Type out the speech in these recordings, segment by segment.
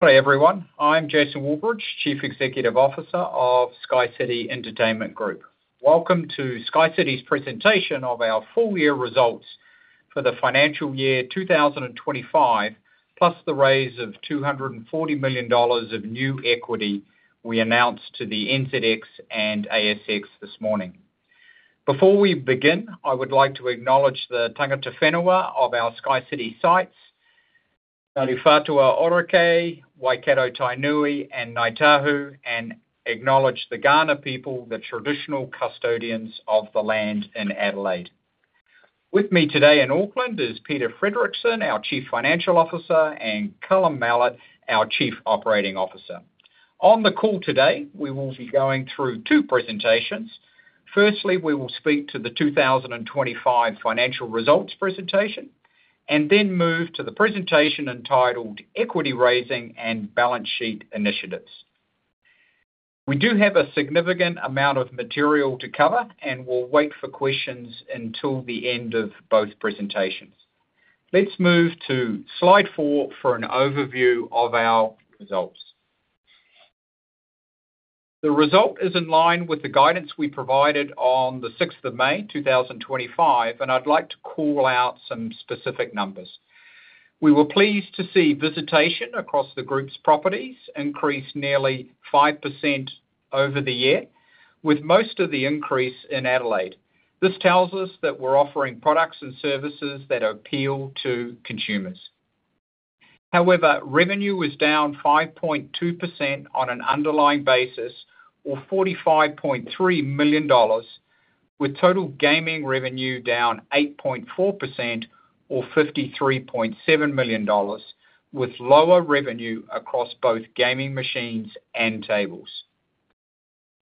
Hi, everyone. I'm Jason Walbridge, Chief Executive Officer of SkyCity Entertainment Group. Welcome to SkyCity's presentation of our full-year results for the financial year 2025, plus the raise of $240 million of new equity we announced to the NZX and ASX this morning. Before we begin, I would like to acknowledge the Tangata whenua of our SkyCity sites: Ngāti Whātua Ōrākei, Waikato-Tainui, and Ngāi Tahu, and acknowledge the Kaurna people, the traditional custodians of the land in Adelaide. With me today in Auckland is Peter Fredricson, our Chief Financial Officer, and Callum Mallett, our Chief Operating Officer. On the call today, we will be going through two presentations. Firstly, we will speak to the 2025 financial results presentation, and then move to the presentation entitled Equity Raising and Balance Sheet Initiatives. We do have a significant amount of material to cover, and we'll wait for questions until the end of both presentations. Let's move to slide four for an overview of our results. The result is in line with the guidance we provided on the 6th of May 2025, and I'd like to call out some specific numbers. We were pleased to see visitation across the group's properties increase nearly 5% over the year, with most of the increase in Adelaide. This tells us that we're offering products and services that appeal to consumers. However, revenue was down 5.2% on an underlying basis, or $45.3 million, with total gaming revenue down 8.4%, or $53.7 million, with lower revenue across both gaming machines and tables.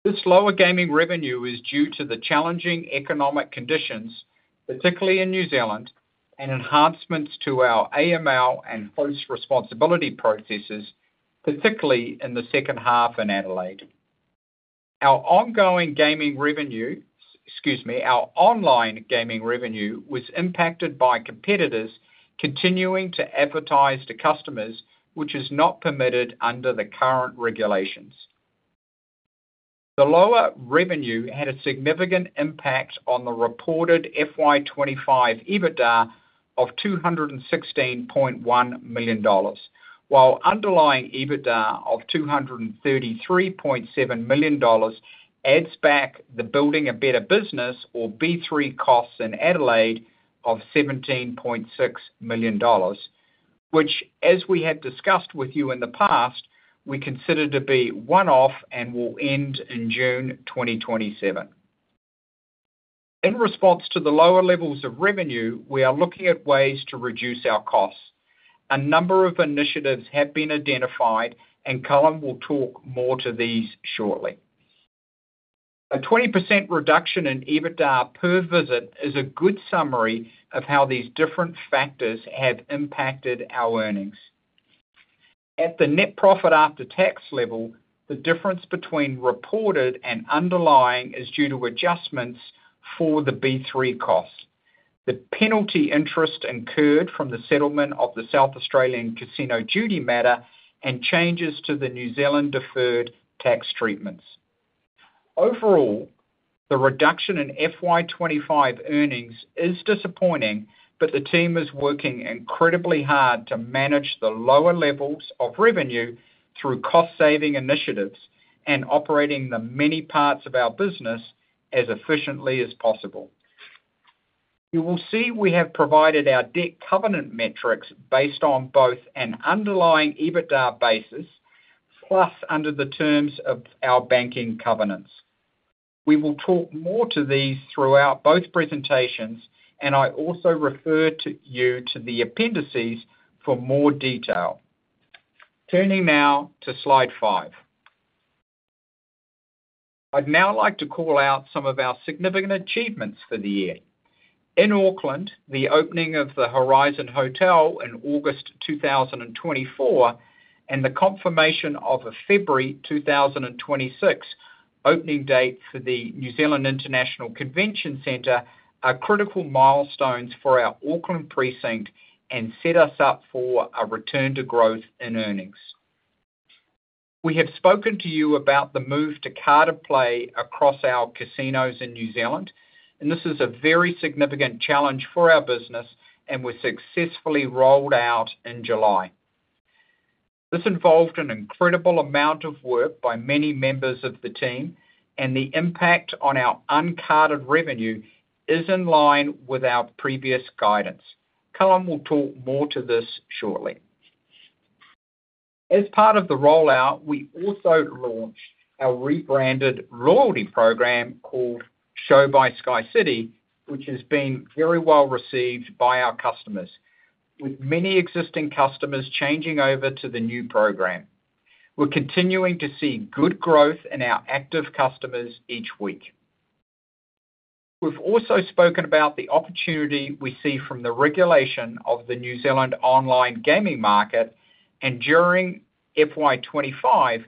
This lower gaming revenue is due to the challenging economic conditions, particularly in New Zealand, and enhancements to our AML and host responsibility processes, particularly in the second half in Adelaide. Our online gaming revenue was impacted by competitors continuing to advertise to customers, which is not permitted under the current regulations. The lower revenue had a significant impact on the reported FY 2025 EBITDA of $216.1 million, while underlying EBITDA of $233.7 million adds back the Building a Better Business, or B3 costs in Adelaide, of $17.6 million, which, as we have discussed with you in the past, we consider to be one-off and will end in June 2027. In response to the lower levels of revenue, we are looking at ways to reduce our costs. A number of initiatives have been identified, and Callum will talk more to these shortly. A 20% reduction in EBITDA per visit is a good summary of how these different factors have impacted our earnings. At the net profit after tax level, the difference between reported and underlying is due to adjustments for the B3 costs, the penalty interest incurred from the settlement of the South Australian casino duty matter, and changes to the New Zealand deferred tax treatments. Overall, the reduction in FY 2025 earnings is disappointing, but the team is working incredibly hard to manage the lower levels of revenue through cost-saving initiatives and operating the many parts of our business as efficiently as possible. You will see we have provided our debt covenant metrics based on both an underlying EBITDA basis plus under the terms of our banking covenants. We will talk more to these throughout both presentations, and I also refer you to the appendices for more detail. Turning now to slide five, I'd now like to call out some of our significant achievements for the year. In Auckland, the opening of the Horizon Hotel in August 2024 and the confirmation of a February 2026 opening date for the New Zealand International Convention Centre are critical milestones for our Auckland precinct and set us up for a return to growth in earnings. We have spoken to you about the move to carded play across our casinos in New Zealand, and this is a very significant challenge for our business, and was successfully rolled out in July. This involved an incredible amount of work by many members of the team, and the impact on our uncarded revenue is in line with our previous guidance. Callum will talk more to this shortly. As part of the rollout, we also launched our rebranded loyalty program called Show by SkyCity, which has been very well received by our customers, with many existing customers changing over to the new program. We're continuing to see good growth in our active customers each week. We've also spoken about the opportunity we see from the regulation of the New Zealand online gaming market, and during FY 2025,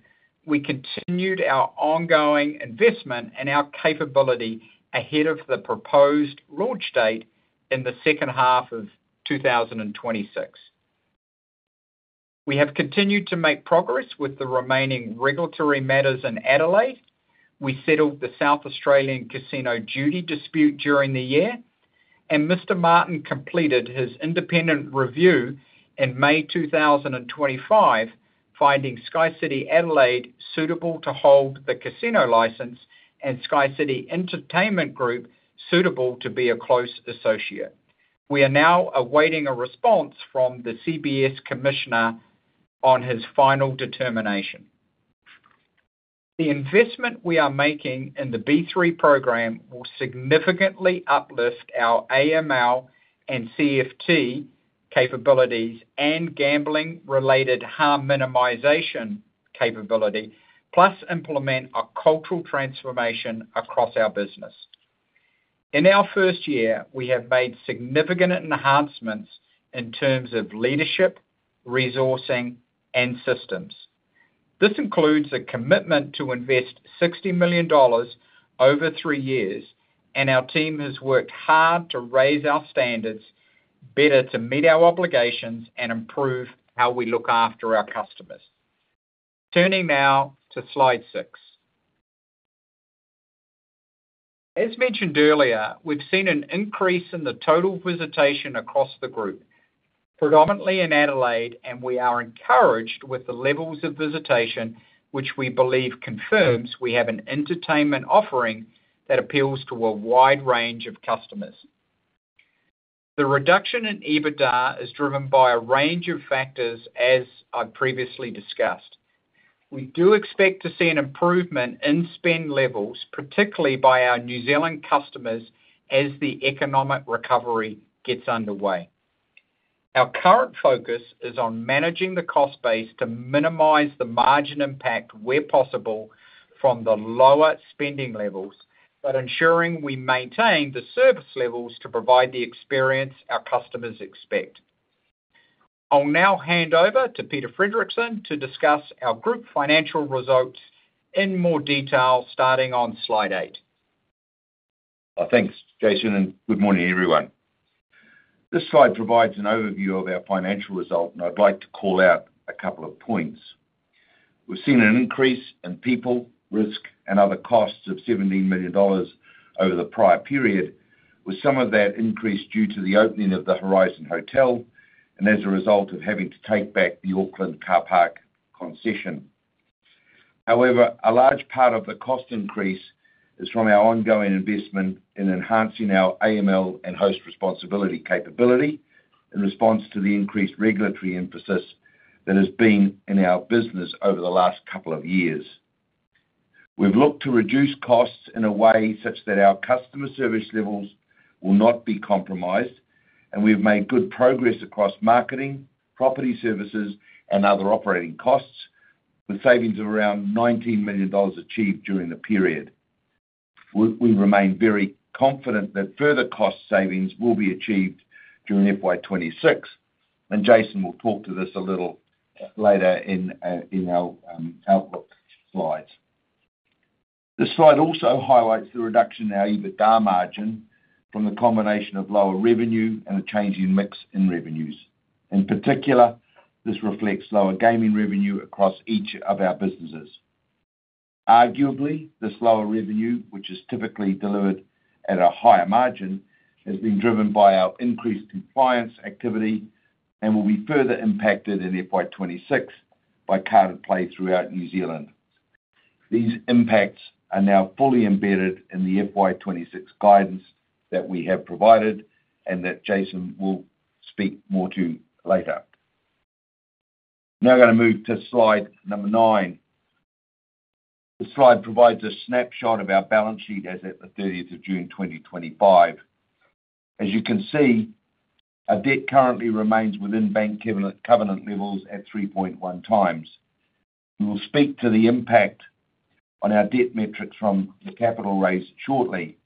we continued our ongoing investment and our capability ahead of the proposed launch date in the second half of 2026. We have continued to make progress with the remaining regulatory matters in Adelaide. We settled the South Australian casino duty dispute during the year, and Mr. Martin completed his independent review in May 2025, finding SkyCity Adelaide suitable to hold the casino license and SkyCity Entertainment Group suitable to be a close associate. We are now awaiting a response from the CBS commissioner on his final determination. The investment we are making in the B3 program will significantly uplift our AML and CFT capabilities and gambling-related harm minimization capability, plus implement a cultural transformation across our business. In our first year, we have made significant enhancements in terms of leadership, resourcing, and systems. This includes a commitment to invest $60 million over three years, and our team has worked hard to raise our standards better to meet our obligations and improve how we look after our customers. Turning now to slide six. As mentioned earlier, we've seen an increase in the total visitation across the group, predominantly in Adelaide, and we are encouraged with the levels of visitation, which we believe confirms we have an entertainment offering that appeals to a wide range of customers. The reduction in EBITDA is driven by a range of factors, as I've previously discussed. We do expect to see an improvement in spend levels, particularly by our New Zealand customers, as the economic recovery gets underway. Our current focus is on managing the cost base to minimize the margin impact, where possible, from the lower spending levels, but ensuring we maintain the service levels to provide the experience our customers expect. I'll now hand over to Peter Fredricson to discuss our group financial results in more detail, starting on slide eight. Thanks, Jason, and good morning, everyone. This slide provides an overview of our financial result, and I'd like to call out a couple of points. We've seen an increase in people, risk, and other costs of $17 million over the prior period, with some of that increase due to the opening of the Horizon Hotel and as a result of having to take back the Auckland Car Park concession. However, a large part of the cost increase is from our ongoing investment in enhancing our AML and host responsibility capability in response to the increased regulatory emphasis that has been in our business over the last couple of years. We've looked to reduce costs in a way such that our customer service levels will not be compromised, and we've made good progress across marketing, property services, and other operating costs, with savings of around $19 million achieved during the period. We remain very confident that further cost savings will be achieved during FY 2026, and Jason will talk to this a little later in our outlook slides. This slide also highlights the reduction in our EBITDA margin from the combination of lower revenue and a change in mix in revenues. In particular, this reflects lower gaming revenue across each of our businesses. Arguably, this lower revenue, which is typically delivered at a higher margin, has been driven by our increased compliance activity and will be further impacted in FY 2026 by carded play throughout New Zealand. These impacts are now fully embedded in the FY 2026 guidance that we have provided and that Jason will speak more to later. Now I'm going to move to slide number nine. This slide provides a snapshot of our balance sheet as at the 30th of June 2025. As you can see, our debt currently remains within bank covenant levels at 3.1x. We will speak to the impact on our debt metrics from the capital raise shortly.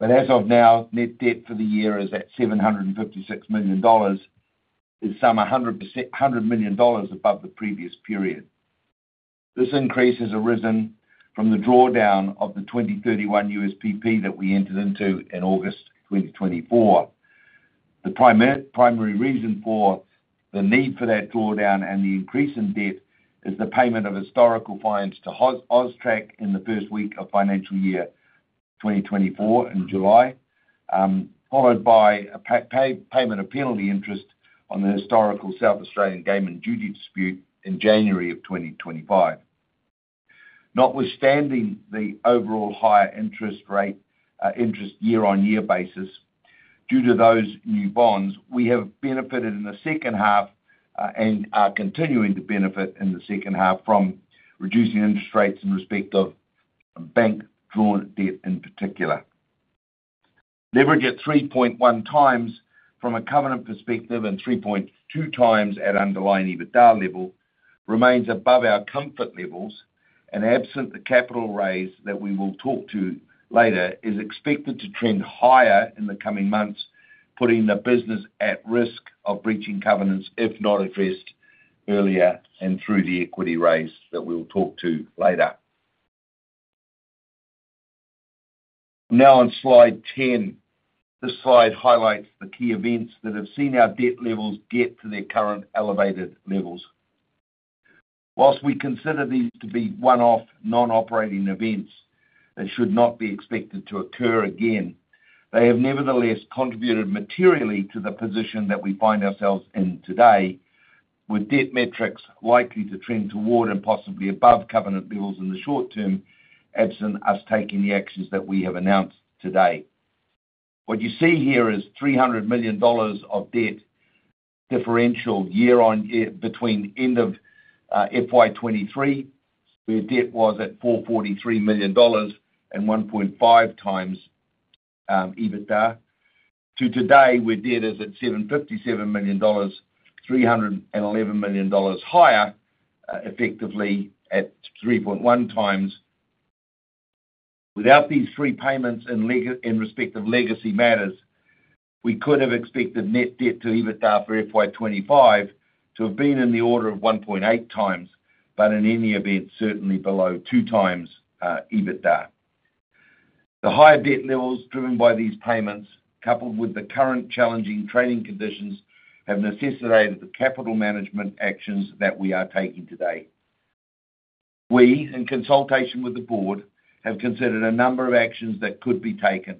As of now, net debt for the year is at $756 million, is some $100 million above the previous period. This increase has arisen from the drawdown of the 2031 USPP that we entered into in August 2024. The primary reason for the need for that drawdown and the increase in debt is the payment of historical fines to Oztrak in the first week of financial year 2024 in July, followed by a payment of penalty interest on the historical South Australian gaming duty dispute in January of 2025. Notwithstanding the overall higher interest rate year-on-year basis, due to those new bonds, we have benefited in the second half and are continuing to benefit in the second half from reducing interest rates in respect of bank drawn debt in particular. Leveraging at 3.1x from a covenant perspective and 3.2x at underlying EBITDA level remains above our comfort levels, and absent the capital raise that we will talk to later is expected to trend higher in the coming months, putting the business at risk of breaching covenants if not addressed earlier and through the equity raise that we will talk to later. Now on slide 10, this slide highlights the key events that have seen our debt levels get to their current elevated levels. Whilst we consider these to be one-off non-operating events that should not be expected to occur again, they have nevertheless contributed materially to the position that we find ourselves in today, with debt metrics likely to trend toward and possibly above covenant levels in the short term, absent us taking the actions that we have announced today. What you see here is $300 million of debt differential year-on-year between end of FY 2023, where debt was at $443 million and 1.5x EBITDA to today, where debt is at $757 million, $311 million higher, effectively at 3.1x. Without these three payments in respect of legacy matters, we could have expected net debt to EBITDA for FY 2025 to have been in the order of 1.8x but in any event, certainly below 2x EBITDA. The high debt levels driven by these payments, coupled with the current challenging trading conditions, have necessitated the capital management actions that we are taking today. We, in consultation with the board, have considered a number of actions that could be taken,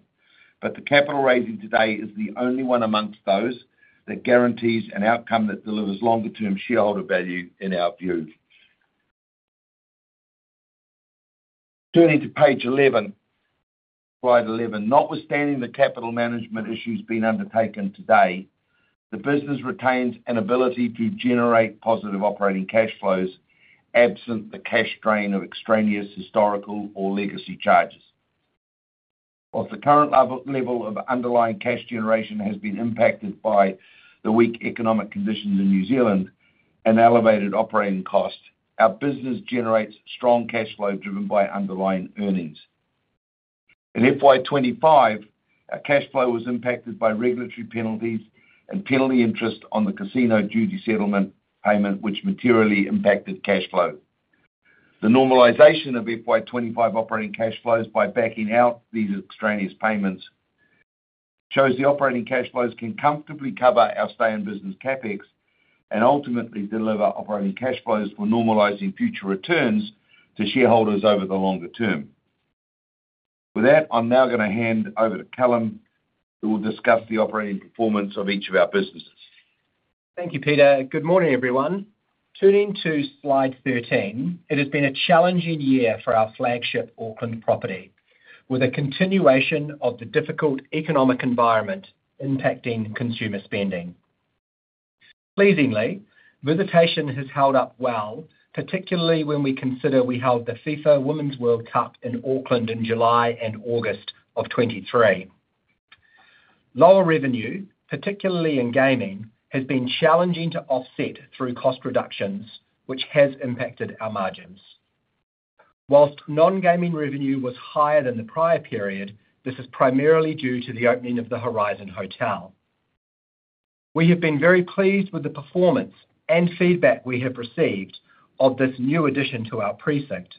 but the capital raising today is the only one amongst those that guarantees an outcome that delivers longer-term shareholder value in our view. Turning to page 11, slide 11, notwithstanding the capital management issues being undertaken today, the business retains an ability to generate positive operating cash flows absent the cash drain of extraneous historical or legacy charges. Whilst the current level of underlying cash generation has been impacted by the weak economic conditions in New Zealand and elevated operating costs, our business generates strong cash flow driven by underlying earnings. In FY 2025 our cash flow was impacted by regulatory penalties and penalty interest on the casino duty settlement payment, which materially impacted cash flow. The normalization of FY 2025 operating cash flows by backing out these extraneous payments shows the operating cash flows can comfortably cover our stay in business CapEx and ultimately deliver operating cash flows for normalizing future returns to shareholders over the longer term. With that, I'm now going to hand over to Callum, who will discuss the operating performance of each of our businesses. Thank you, Peter. Good morning, everyone. Turning to slide 13, it has been a challenging year for our flagship Auckland property, with a continuation of the difficult economic environment impacting consumer spending. Pleasingly, visitation has held up well, particularly when we consider we held the FIFA Women's World Cup in Auckland in July and August of 2023. Lower revenue, particularly in gaming, has been challenging to offset through cost reductions, which has impacted our margins. Whilst non-gaming revenue was higher than the prior period, this is primarily due to the opening of the Horizon Hotel. We have been very pleased with the performance and feedback we have received of this new addition to our precinct,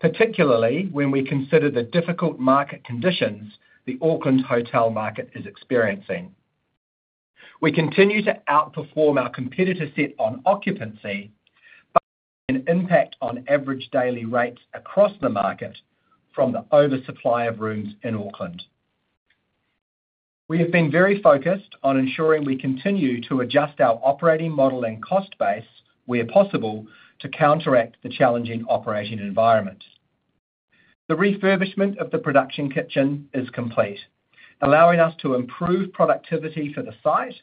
particularly when we consider the difficult market conditions the Auckland hotel market is experiencing. We continue to outperform our competitor set on occupancy, but an impact on average daily rates across the market from the oversupply of rooms in Auckland. We have been very focused on ensuring we continue to adjust our operating model and cost base, where possible, to counteract the challenging operating environment. The refurbishment of the production kitchen is complete, allowing us to improve productivity for the site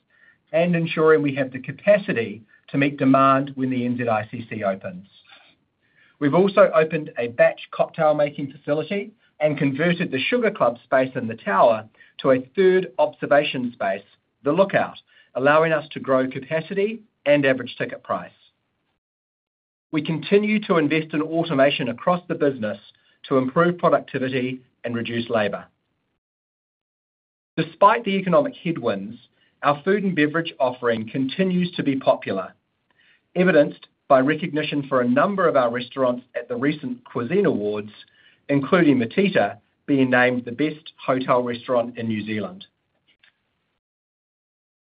and ensuring we have the capacity to meet demand when the New Zealand ICC opens. We've also opened a batch cocktail making facility and converted the Sugar Club space in the tower to a third observation space, the Lookout, allowing us to grow capacity and average ticket price. We continue to invest in automation across the business to improve productivity and reduce labor. Despite the economic headwinds, our food and beverage offering continues to be popular, evidenced by recognition for a number of our restaurants at the recent Cuisine Awards, including Matita, being named the best hotel restaurant in New Zealand.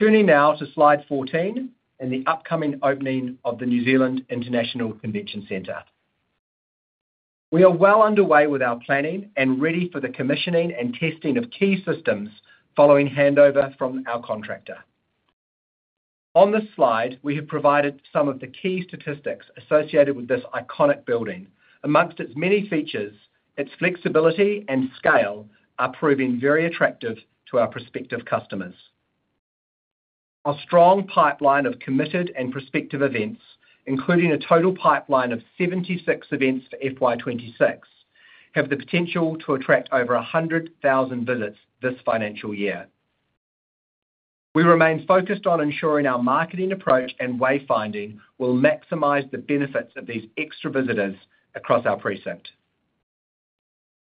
Turning now to slide 14 and the upcoming opening of the New Zealand International Convention Centre. We are well underway with our planning and ready for the commissioning and testing of key systems following handover from our contractor. On this slide, we have provided some of the key statistics associated with this iconic building. Amongst its many features, its flexibility and scale are proving very attractive to our prospective customers. A strong pipeline of committed and prospective events, including a total pipeline of 76 events for FY 2026, have the potential to attract over 100,000 visits this financial year. We remain focused on ensuring our marketing approach and wayfinding will maximize the benefits of these extra visitors across our precinct.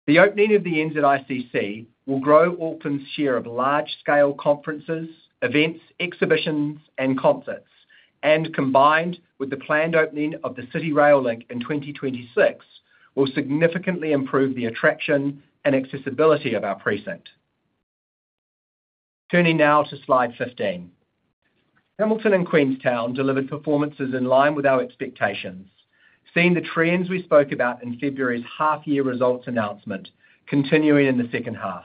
The opening of the New Zealand ICC will grow Auckland's share of large-scale conferences, events, exhibitions, and concerts, and combined with the planned opening of the City Rail Link in 2026, will significantly improve the attraction and accessibility of our precinct. Turning now to slide 15, Hamilton and Queenstown delivered performances in line with our expectations, seeing the trends we spoke about in February's half-year results announcement continuing in the second half.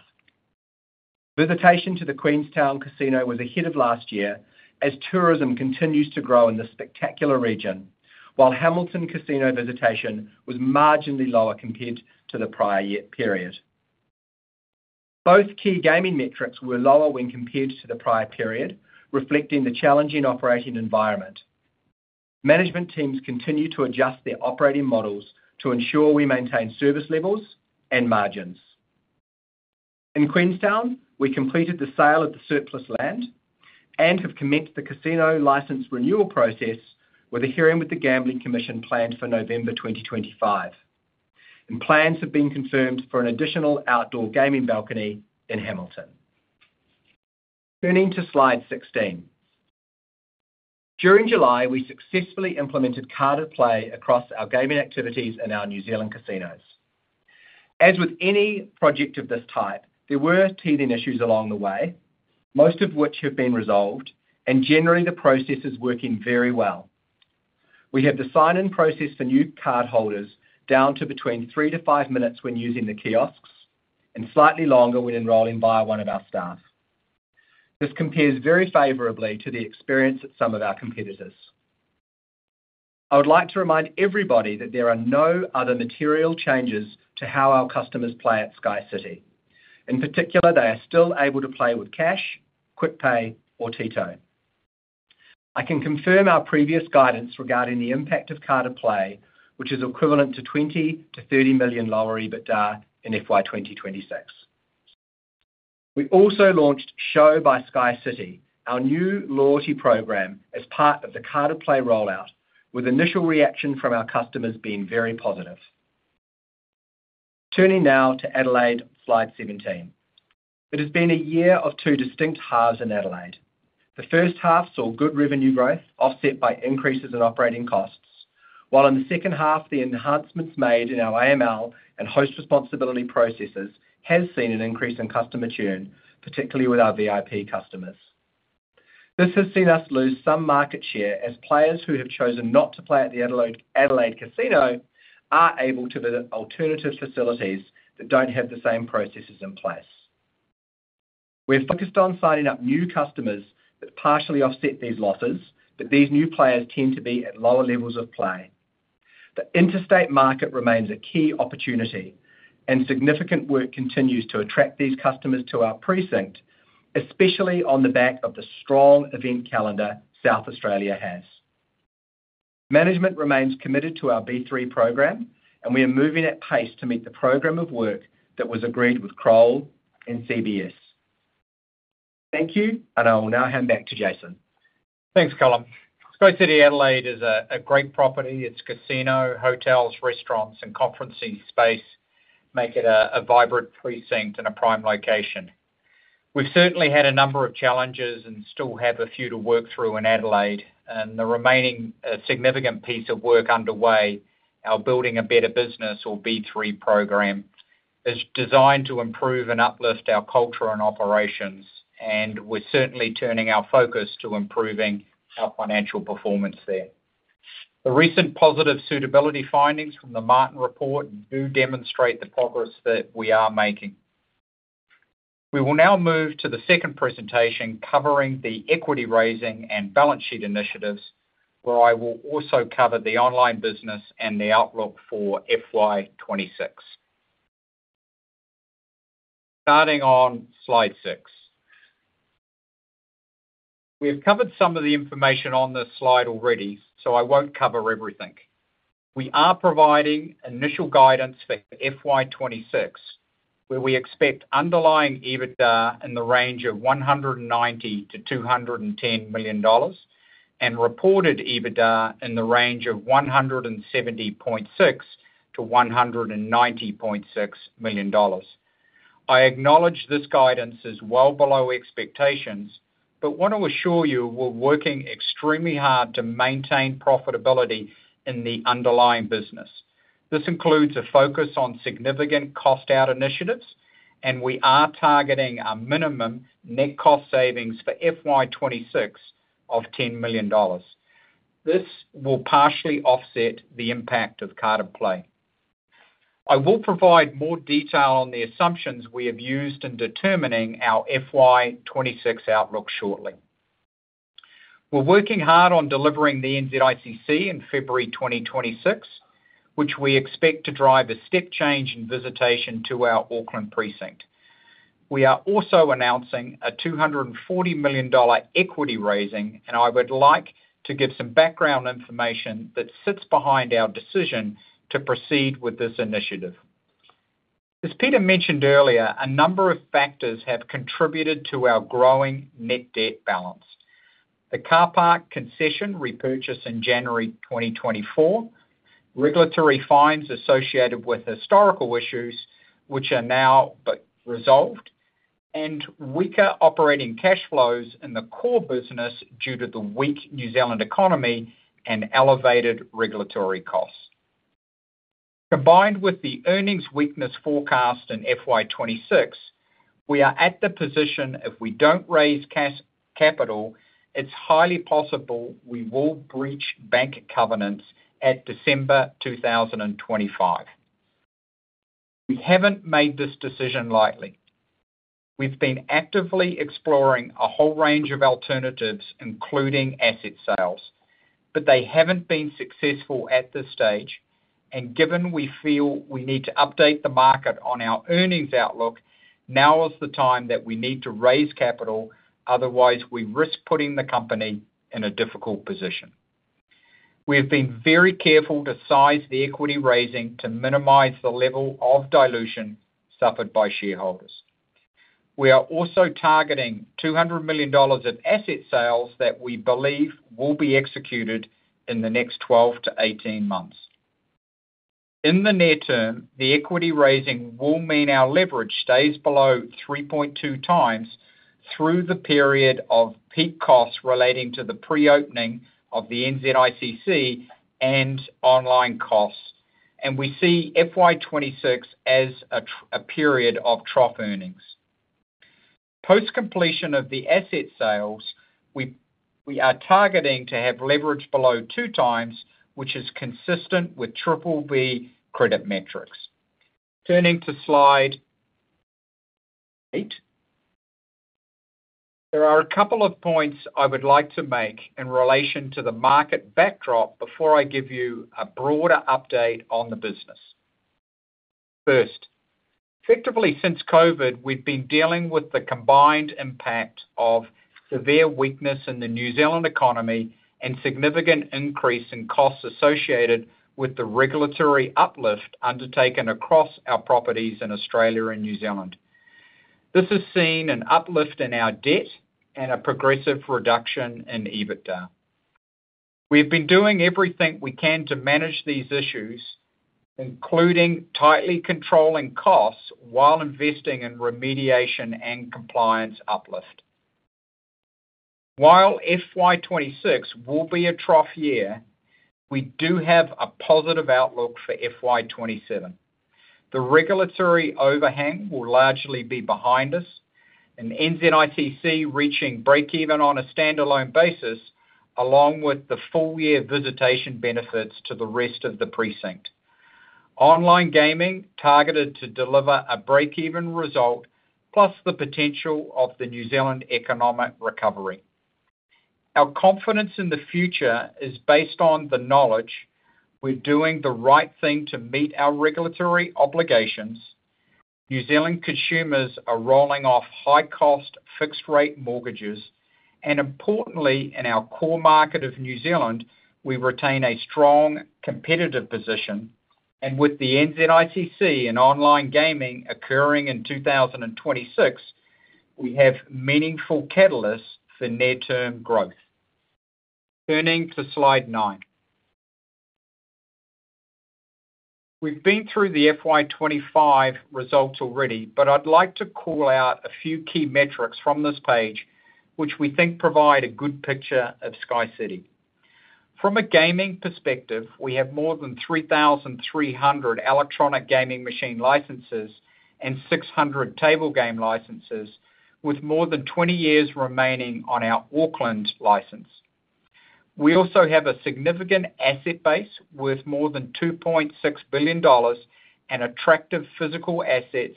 Visitation to the Queenstown Casino was a hit off last year as tourism continues to grow in the spectacular region, while Hamilton Casino visitation was marginally lower compared to the prior year period. Both key gaming metrics were lower when compared to the prior period, reflecting the challenging operating environment. Management teams continue to adjust their operating models to ensure we maintain service levels and margins. In Queenstown, we completed the sale of the surplus land and have commenced the casino license renewal process with a hearing with the Gambling Commission planned for November 2025, and plans have been confirmed for an additional outdoor gaming balcony in Hamilton. Turning to slide 16, during July, we successfully implemented carded play across our gaming activities and our New Zealand casinos. As with any project of this type, there were teething issues along the way, most of which have been resolved, and generally the process is working very well. We have the sign-in process for new card holders down to between three to five minutes when using the kiosks and slightly longer when enrolling via one of our staff. This compares very favorably to the experience at some of our competitors. I would like to remind everybody that there are no other material changes to how our customers play at SkyCity. In particular, they are still able to play with cash, QuickPay, or Teto. I can confirm our previous guidance regarding the impact of carded play, which is equivalent to $20 million to $30 million lower EBITDA in FY 2026. We also launched Show by SkyCity, our new loyalty program, as part of the carded play rollout, with initial reaction from our customers being very positive. Turning now to Adelaide, slide 17. It has been a year of two distinct halves in Adelaide. The first half saw good revenue growth offset by increases in operating costs, while in the second half the enhancements made in our AML and host responsibility processes have seen an increase in customer churn, particularly with our VIP customers. This has seen us lose some market share as players who have chosen not to play at the Adelaide Casino are able to visit alternative facilities that don't have the same processes in place. We're focused on signing up new customers that partially offset these losses, but these new players tend to be at lower levels of play. The interstate market remains a key opportunity, and significant work continues to attract these customers to our precinct, especially on the back of the strong event calendar South Australia has. Management remains committed to our B3 program, and we are moving at pace to meet the program of work that was agreed with Kroll and CBS. Thank you, and I will now hand back to Jason. Thanks, Callum. SkyCity Adelaide is a great property. Its casino, hotels, restaurants, and conference space make it a vibrant precinct and a prime location. We've certainly had a number of challenges and still have a few to work through in Adelaide, and the remaining significant piece of work underway, our Building a Better Business or B3 program, is designed to improve and uplift our culture and operations, and we're certainly turning our focus to improving our financial performance there. The recent positive suitability findings from the Martin report do demonstrate the progress that we are making. We will now move to the second presentation covering the equity raising and balance sheet initiatives, where I will also cover the online business and the outlook for FY 2026. Starting on slide six, we have covered some of the information on this slide already, so I won't cover everything. We are providing initial guidance for FY 2026, where we expect underlying EBITDA in the range of $190 million-$210 million and reported EBITDA in the range of $170.6 million-$190.6 million. I acknowledge this guidance is well below expectations, but want to assure you we're working extremely hard to maintain profitability in the underlying business. This includes a focus on significant cost-out initiatives, and we are targeting our minimum net cost savings for FY 2026 of $10 million. This will partially offset the impact of carded play. I will provide more detail on the assumptions we have used in determining our FY 2026 outlook shortly. We're working hard on delivering the NZICC in February 2026, which we expect to drive a step change in visitation to our Auckland precinct. We are also announcing a $240 million equity raising, and I would like to give some background information that sits behind our decision to proceed with this initiative. As Peter mentioned earlier, a number of factors have contributed to our growing net debt balance: a carpark concession repurchase in January 2024, regulatory fines associated with historical issues, which are now resolved, and weaker operating cash flows in the core business due to the weak New Zealand economy and elevated regulatory costs. Combined with the earnings weakness forecast in FY 2026, we are at the position if we don't raise cash capital, it's highly possible we will breach bank covenants at December 2025. We haven't made this decision lightly. We've been actively exploring a whole range of alternatives, including asset sales, but they haven't been successful at this stage, and given we feel we need to update the market on our earnings outlook, now is the time that we need to raise capital, otherwise we risk putting the company in a difficult position. We have been very careful to size the equity raising to minimize the level of dilution suffered by shareholders. We are also targeting $200 million of asset sales that we believe will be executed in the next 12-18 months. In the near term, the equity raising will mean our leverage stays below 3.2x through the period of peak costs relating to the pre-opening of the NZICC and online costs, and we see FY 2026 as a period of trough earnings. Post completion of the asset sales, we are targeting to have leverage below 2x, which is consistent with BBB- credit metrics. Turning to slide eight, there are a couple of points I would like to make in relation to the market backdrop before I give you a broader update on the business. First, effectively since COVID, we've been dealing with the combined impact of severe weakness in the New Zealand economy and significant increase in costs associated with the regulatory uplift undertaken across our properties in Australia and New Zealand. This has seen an uplift in our debt and a progressive reduction in EBITDA. We have been doing everything we can to manage these issues, including tightly controlling costs while investing in remediation and compliance uplift. While FY 2026 will be a trough year, we do have a positive outlook for FY 2027. The regulatory overhang will largely be behind us, and NZICC reaching break-even on a standalone basis, along with the full-year visitation benefits to the rest of the precinct. Online gaming targeted to deliver a break-even result, plus the potential of the New Zealand economic recovery. Our confidence in the future is based on the knowledge we're doing the right thing to meet our regulatory obligations. New Zealand consumers are rolling off high-cost fixed-rate mortgages, and importantly, in our core market of New Zealand, we retain a strong competitive position, and with the NZICC and online gaming occurring in 2026, we have meaningful catalysts for near-term growth. Turning to slide nine, we've been through the FY 2025 results already, but I'd like to call out a few key metrics from this page, which we think provide a good picture of SkyCity. From a gaming perspective, we have more than 3,300 electronic gaming machine licenses and 600 table game licenses, with more than 20 years remaining on our Auckland license. We also have a significant asset base worth more than $2.6 billion and attractive physical assets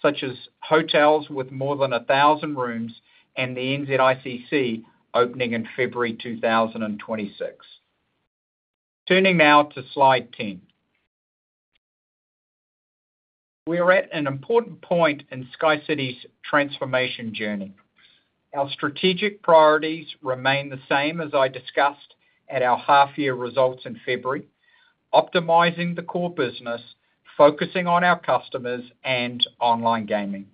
such as hotels with more than a thousand rooms and the NZICC opening in February 2026. Turning now to slide 10, we are at an important point in SkyCity's transformation journey. Our strategic priorities remain the same as I discussed at our half-year results in February, optimizing the core business, focusing on our customers, and online gaming.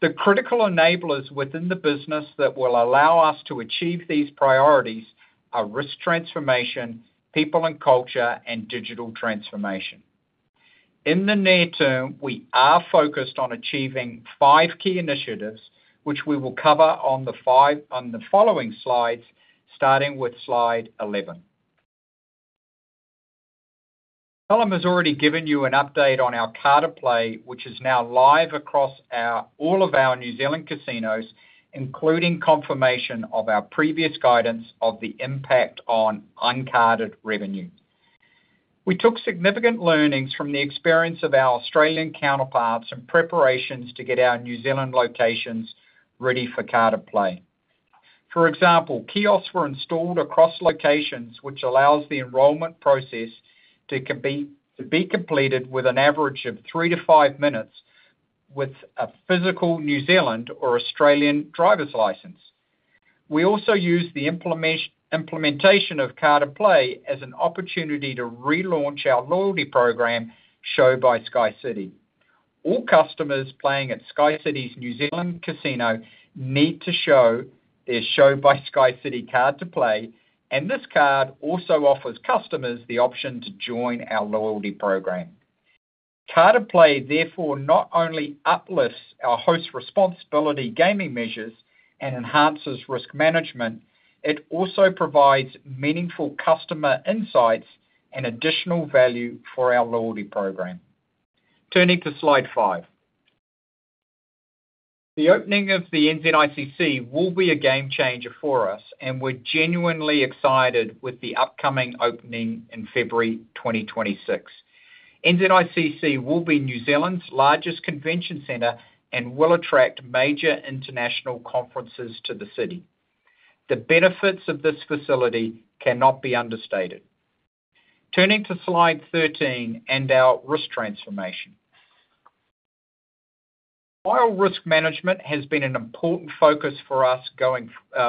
The critical enablers within the business that will allow us to achieve these priorities are risk transformation, people and culture, and digital transformation. In the near term, we are focused on achieving five key initiatives, which we will cover on the following slides, starting with slide 11. Callum has already given you an update on our carded play, which is now live across all of our New Zealand casinos, including confirmation of our previous guidance of the impact on uncarded revenue. We took significant learnings from the experience of our Australian counterparts and preparations to get our New Zealand locations ready for carded play. For example, kiosks were installed across locations, which allows the enrollment process to be completed with an average of three to five minutes with a physical New Zealand or Australian driver's license. We also use the implementation of carded play as an opportunity to relaunch our loyalty program, Show by SkyCity. All customers playing at SkyCity's New Zealand casino need to show their Show by SkyCity card to play, and this card also offers customers the option to join our loyalty program. Carded play therefore not only uplifts our host responsibility gaming measures and enhances risk management, it also provides meaningful customer insights and additional value for our loyalty program. Turning to slide five, the opening of the NZICC will be a game changer for us, and we're genuinely excited with the upcoming opening in February 2026. NZICC will be New Zealand's largest convention center and will attract major international conferences to the city. The benefits of this facility cannot be understated. Turning to slide 13 and our risk transformation, while risk management has been an important focus for us,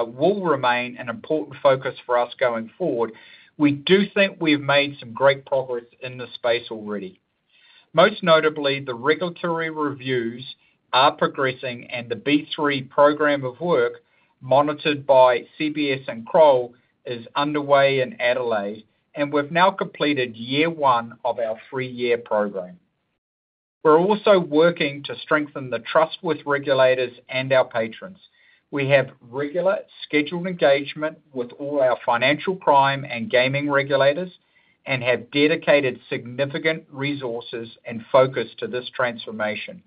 will remain an important focus for us going forward, we do think we have made some great progress in this space already. Most notably, the regulatory reviews are progressing, and the B3 program of work, monitored by CBS and Kroll, is underway in Adelaide, and we've now completed year one of our three-year program. We're also working to strengthen the trust with regulators and our patrons. We have regular scheduled engagement with all our financial prime and gaming regulators and have dedicated significant resources and focus to this transformation.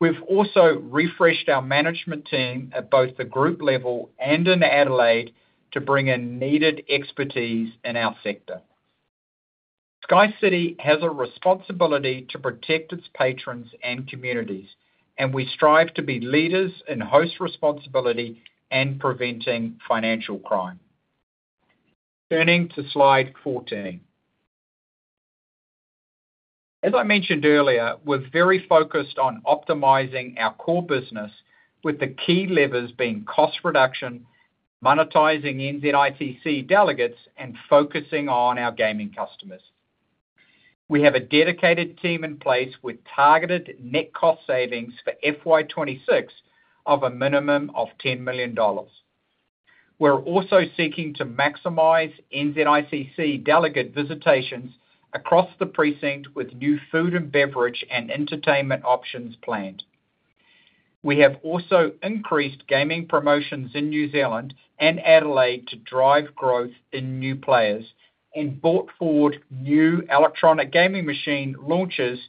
We've also refreshed our management team at both the group level and in Adelaide to bring in needed expertise in our sector. SkyCity has a responsibility to protect its patrons and communities, and we strive to be leaders in host responsibility and preventing financial crime. Turning to slide 14, as I mentioned earlier, we're very focused on optimizing our core business, with the key levers being cost reduction, monetizing NZICC delegates, and focusing on our gaming customers. We have a dedicated team in place with targeted net cost savings for FY 2026 of a minimum of $10 million. We're also seeking to maximize NZICC delegate visitations across the precinct with new food and beverage and entertainment options planned. We have also increased gaming promotions in New Zealand and Adelaide to drive growth in new players and brought forward new electronic gaming machine launches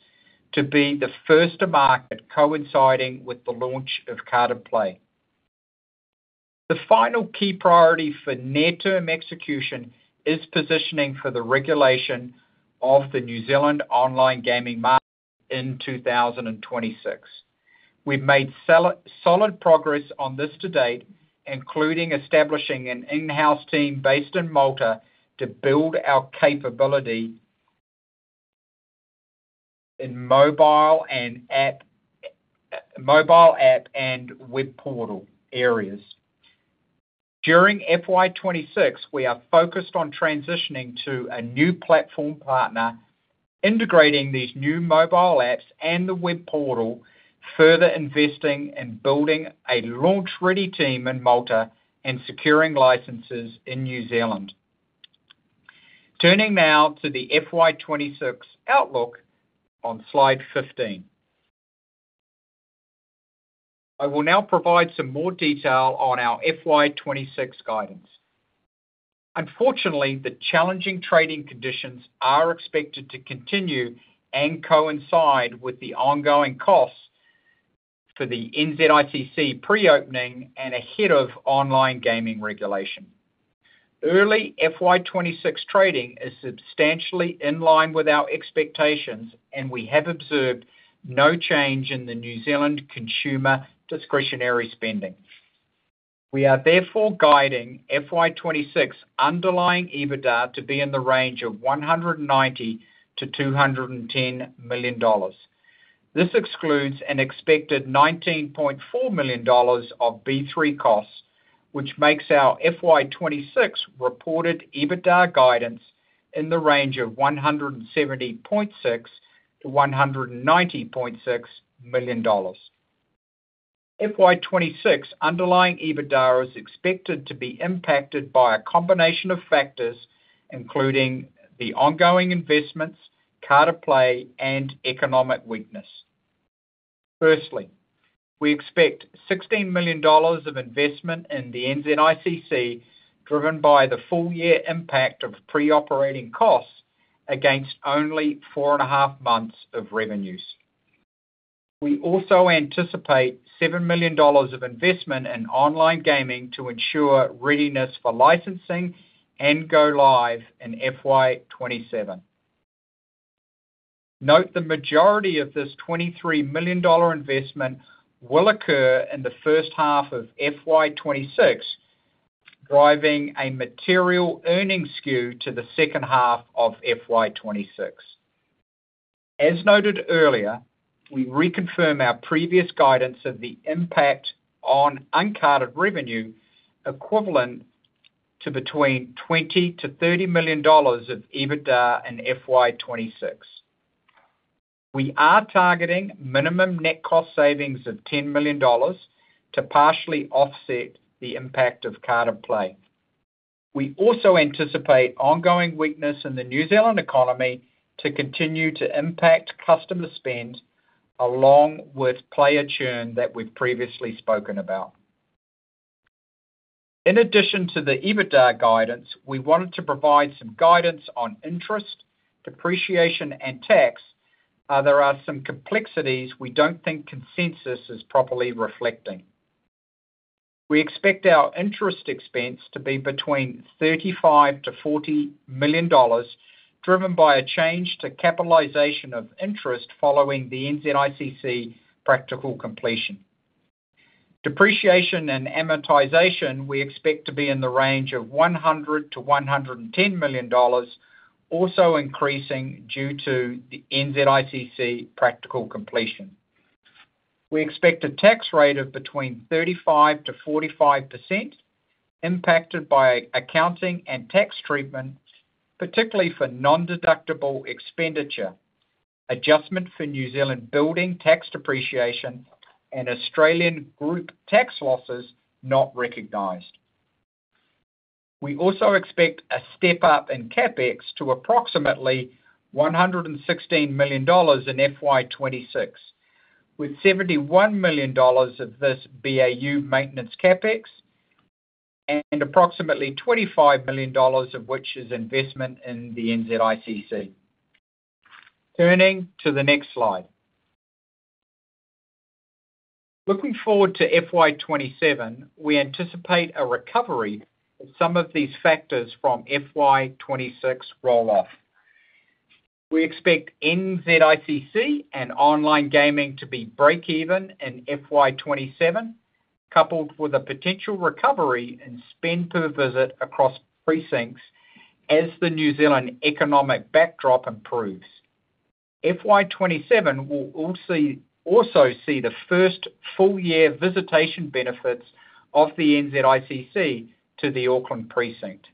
to be the first to market, coinciding with the launch of carded play. The final key priority for near-term execution is positioning for the regulation of the New Zealand online gaming market in 2026. We've made solid progress on this to date, including establishing an in-house team based in Malta to build our capability in mobile app and web portal areas. During FY 2026, we are focused on transitioning to a new platform partner, integrating these new mobile apps and the web portal, further investing in building a launch-ready team in Malta, and securing licenses in New Zealand. Turning now to the FY 2026 outlook on slide 15, I will now provide some more detail on our FY 2026 guidance. Unfortunately, the challenging trading conditions are expected to continue and coincide with the ongoing costs for the NZICC pre-opening and ahead of online gaming regulation. Early FY 2026 trading is substantially in line with our expectations, and we have observed no change in the New Zealand consumer discretionary spending. We are therefore guiding FY 2026 underlying EBITDA to be in the range of $190 million-$210 million. This excludes an expected $19.4 million of B3 costs, which makes our FY 2026 reported EBITDA guidance in the range of $170.6 million-$190.6 million. FY 2026 underlying EBITDA is expected to be impacted by a combination of factors, including the ongoing investments, carded play, and economic weakness. Firstly, we expect $16 million of investment in the NZICC, driven by the full-year impact of pre-operating costs against only four and a half months of revenues. We also anticipate $7 million of investment in online gaming to ensure readiness for licensing and go live in FY 2027. Note the majority of this $23 million investment will occur in the first half of FY 2026, driving a material earnings skew to the second half of FY 2026. As noted earlier, we reconfirm our previous guidance of the impact on uncarded revenue equivalent to between $20 million-$30 million of EBITDA in FY 2026. We are targeting minimum net cost savings of $10 million to partially offset the impact of carded play. We also anticipate ongoing weakness in the New Zealand economy to continue to impact customer spend, along with player churn that we've previously spoken about. In addition to the EBITDA guidance, we wanted to provide some guidance on interest, depreciation, and tax. There are some complexities we don't think consensus is properly reflecting. We expect our interest expense to be between $35 million-$40 million, driven by a change to capitalization of interest following the NZICC practical completion. Depreciation and amortization we expect to be in the range of $100 million-$110 million, also increasing due to the NZICC practical completion. We expect a tax rate of between 35%-45%, impacted by accounting and tax treatment, particularly for non-deductible expenditure, adjustment for New Zealand building tax depreciation, and Australian group tax losses not recognized. We also expect a step up in capex to approximately $116 million in FY 2026, with $71 million of this BAU maintenance capex and approximately $25 million of which is investment in the NZICC. Turning to the next slide, looking forward to FY 2027, we anticipate a recovery of some of these factors from FY 2026 roll off. We expect NZICC and online gaming to be break-even in FY 2027, coupled with a potential recovery in spend per visit across precincts as the New Zealand economic backdrop improves. FY 2027 will also see the first full-year visitation benefits of the NZICC to the Auckland precinct.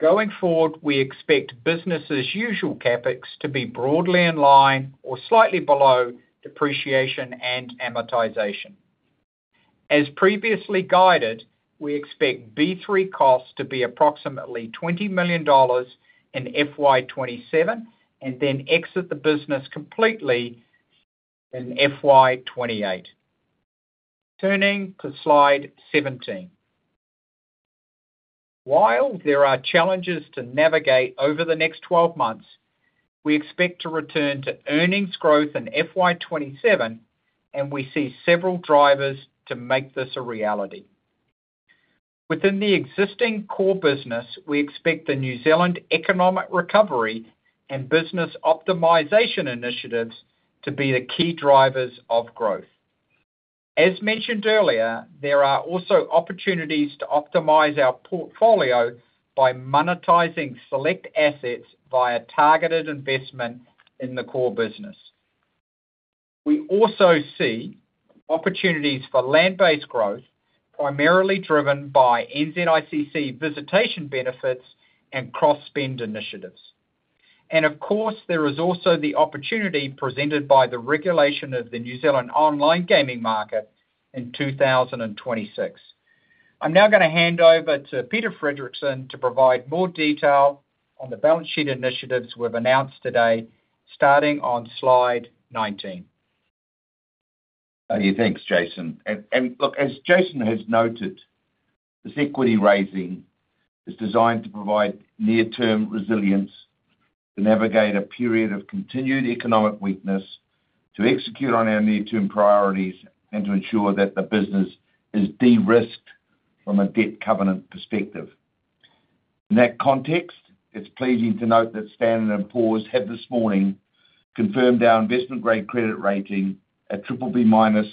Going forward, we expect business as usual capex to be broadly in line or slightly below depreciation and amortization. As previously guided, we expect B3 costs to be approximately $20 million in FY 2027 and then exit the business completely in FY 2028. Turning to slide 17, while there are challenges to navigate over the next 12 months, we expect to return to earnings growth in FY 2027, and we see several drivers to make this a reality. Within the existing core business, we expect the New Zealand economic recovery and business optimization initiatives to be the key drivers of growth. As mentioned earlier, there are also opportunities to optimize our portfolio by monetizing select assets via targeted investment in the core business. We also see opportunities for land-based growth, primarily driven by NZICC visitation benefits and cross-spend initiatives. Of course, there is also the opportunity presented by the regulation of the New Zealand online gaming market in 2026. I'm now going to hand over to Peter Fredricson to provide more detail on the balance sheet initiatives we've announced today, starting on slide 19. Thanks, Jason. As Jason has noted, this equity raising is designed to provide near-term resilience to navigate a period of continued economic weakness, to execute on our near-term priorities, and to ensure that the business is de-risked from a debt covenant perspective. In that context, it's pleasing to note that Standard & Poor's had this morning confirmed our investment-grade credit rating at BBB-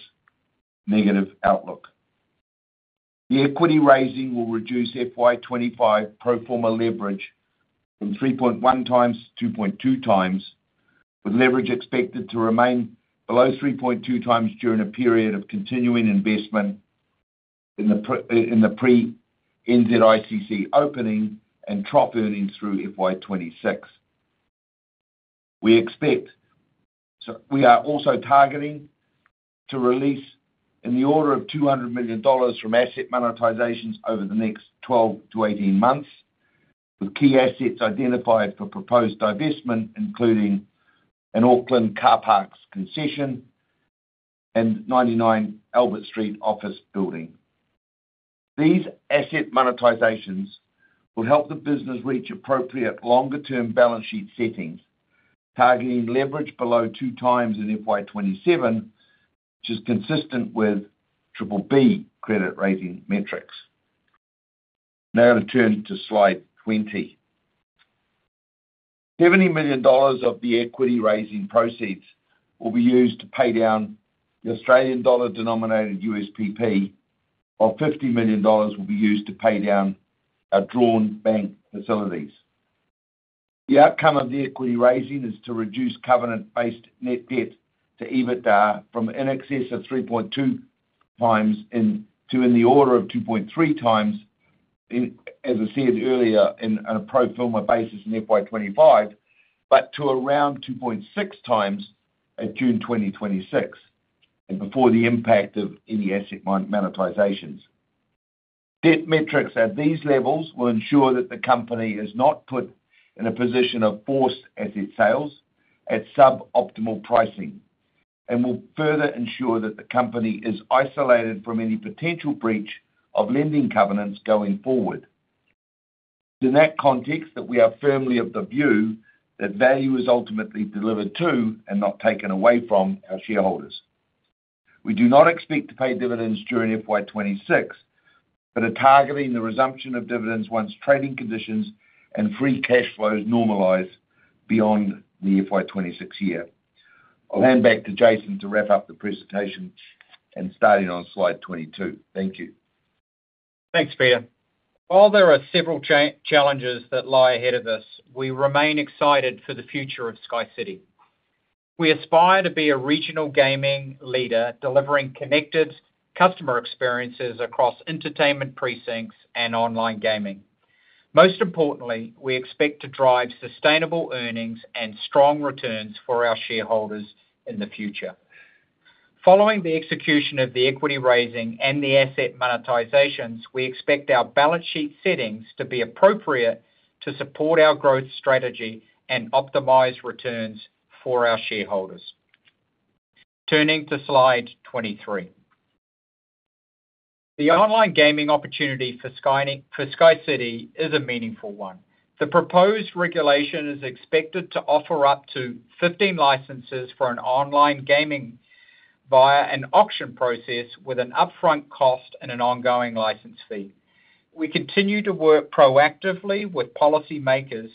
negative outlook. The equity raising will reduce FY 2025 pro forma leverage from 3.1x to 2.2x, with leverage expected to remain below 3.2x during a period of continuing investment in the pre-NZICC opening and trough earnings through FY 2026. We are also targeting to release in the order of $200 million from asset monetizations over the next 12-18 months, with key assets identified for proposed divestment, including an Auckland Carpark concession and 99 Albert Street office building. These asset monetizations will help the business reach appropriate longer-term balance sheet settings, targeting leverage below 2x in FY 2027, which is consistent with BBB credit rating metrics. Now I'm going to turn to slide 20. $70 million of the equity raising proceeds will be used to pay down the Australian dollar denominated USPP, while $50 million will be used to pay down our drawn bank facilities. The outcome of the equity raising is to reduce covenant-based net debt to EBITDA from in excess of 3.2x to in the order of 2.3x, as I said earlier, on a pro forma basis in FY 2025, but to around 2.6x in June 2026 and before the impact of any asset monetizations. Debt metrics at these levels will ensure that the company is not put in a position of forced asset sales at suboptimal pricing and will further ensure that the company is isolated from any potential breach of lending covenants going forward. It's in that context that we are firmly of the view that value is ultimately delivered to and not taken away from our shareholders. We do not expect to pay dividends during FY 2026, but are targeting the resumption of dividends once trading conditions and free cash flows normalize beyond the FY 2026 year. I'll hand back to Jason to wrap up the presentation and starting on slide 22. Thank you. Thanks, Peter. While there are several challenges that lie ahead of us, we remain excited for the future of SkyCity. We aspire to be a regional gaming leader, delivering connected customer experiences across entertainment precincts and online gaming. Most importantly, we expect to drive sustainable earnings and strong returns for our shareholders in the future. Following the execution of the equity raising and the asset monetizations, we expect our balance sheet settings to be appropriate to support our growth strategy and optimize returns for our shareholders. Turning to slide 23, the online gaming opportunity for SkyCity is a meaningful one. The proposed regulation is expected to offer up to 15 licenses for online gaming via an auction process, with an upfront cost and an ongoing license fee. We continue to work proactively with policymakers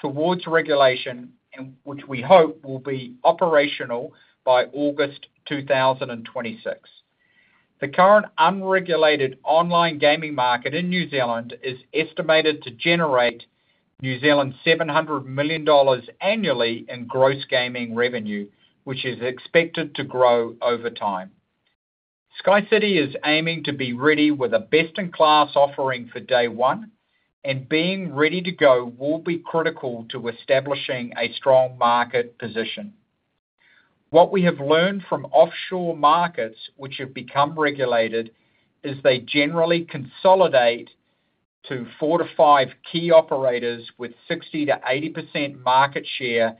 towards regulation, which we hope will be operational by August 2026. The current unregulated online gaming market in New Zealand is estimated to generate NZ$700 million annually in gross gaming revenue, which is expected to grow over time. SkyCity is aiming to be ready with a best-in-class offering for day one, and being ready to go will be critical to establishing a strong market position. What we have learned from offshore markets, which have become regulated, is they generally consolidate to four to five key operators with 60%-80% market share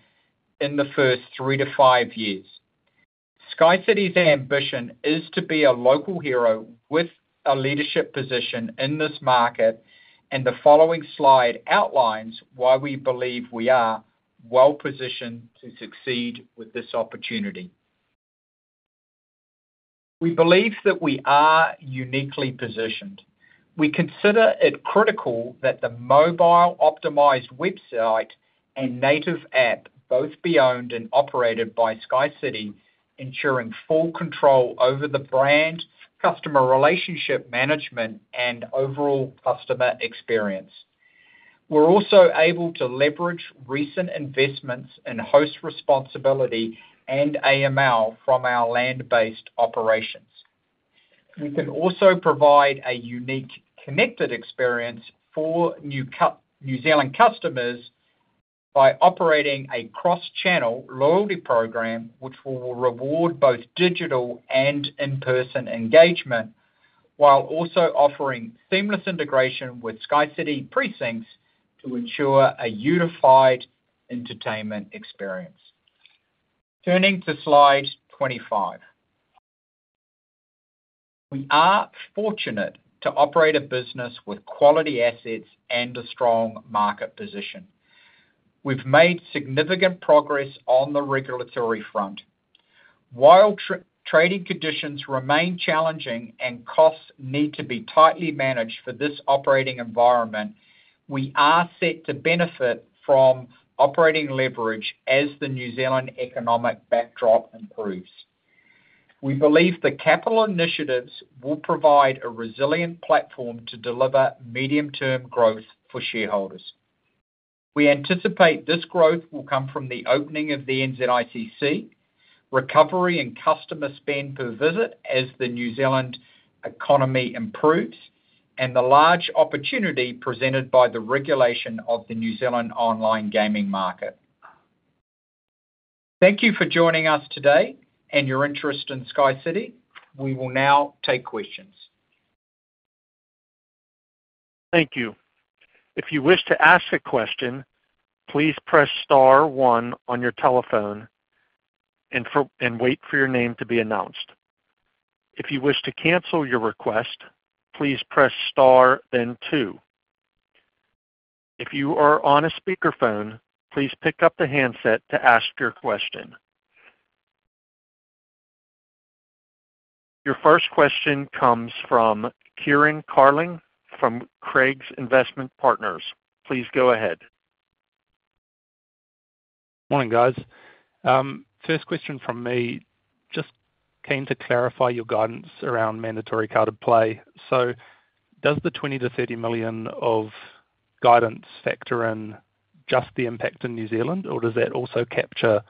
in the first three to five years. SkyCity's ambition is to be a local hero with a leadership position in this market, and the following slide outlines why we believe we are well positioned to succeed with this opportunity. We believe that we are uniquely positioned. We consider it critical that the mobile-optimized website and native app both be owned and operated by SkyCity, ensuring full control over the brand, customer relationship management, and overall customer experience. We're also able to leverage recent investments in host responsibility and AML from our land-based operations. We can also provide a unique connected experience for New Zealand customers by operating a cross-channel loyalty program, which will reward both digital and in-person engagement, while also offering seamless integration with SkyCity precincts to ensure a unified entertainment experience. Turning to slide 25, we are fortunate to operate a business with quality assets and a strong market position. We've made significant progress on the regulatory front. While trading conditions remain challenging and costs need to be tightly managed for this operating environment, we are set to benefit from operating leverage as the New Zealand economic backdrop improves. We believe the capital initiatives will provide a resilient platform to deliver medium-term growth for shareholders. We anticipate this growth will come from the opening of the NZICC, recovery in customer spend per visit as the New Zealand economy improves, and the large opportunity presented by the regulation of the New Zealand online gaming market. Thank you for joining us today and your interest in SkyCity. We will now take questions. Thank you. If you wish to ask a question, please press Star, one on your telephone and wait for your name to be announced. If you wish to cancel your request, please press Star then two. If you are on a speakerphone, please pick up the handset to ask your question. Your first question comes from Kieran Carling from Craigs Investment Partners. Please go ahead. Morning, guys. First question from me, just came to clarify your guidance around mandatory carded play. Does the $20 million-$30 million of guidance factor in just the impact in New Zealand, or does that also capture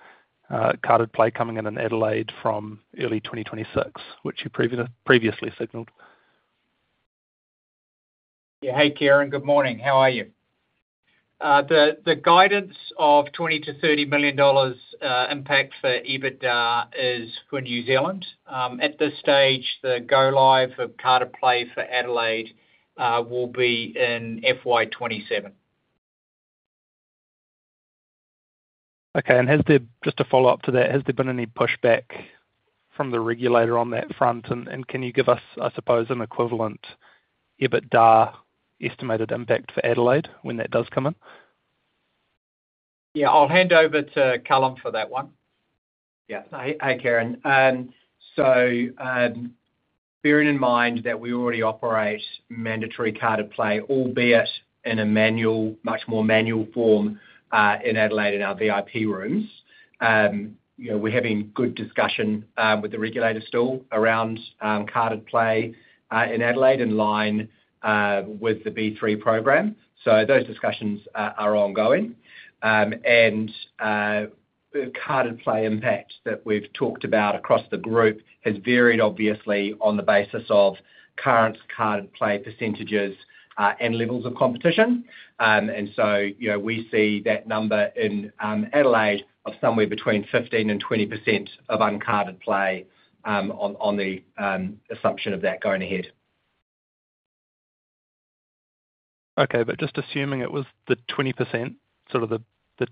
carded play coming in in Adelaide from early 2026, which you previously signaled? Yeah. Hey, Kieran. Good morning. How are you? The guidance of $20 million-$30 million impact for EBITDA is for New Zealand. At this stage, the go live for carded play for Adelaide will be in FY 2027. Okay. Has there been any pushback from the regulator on that front? Can you give us, I suppose, an equivalent EBITDA estimated impact for Adelaide when that does come in? Yeah, I'll hand over to Callum for that one. Hey, Kieran. Bearing in mind that we already operate mandatory carded play, albeit in a much more manual form in Adelaide in our VIP rooms, we're having good discussion with the regulator still around carded play in Adelaide in line with the B3 program. Those discussions are ongoing. Carded play impact that we've talked about across the group has varied obviously on the basis of current carded play percentages and levels of competition. We see that number in Adelaide of somewhere between 15% and 20% of uncarded play on the assumption of that going ahead. Okay. Assuming it was the 20%, sort of the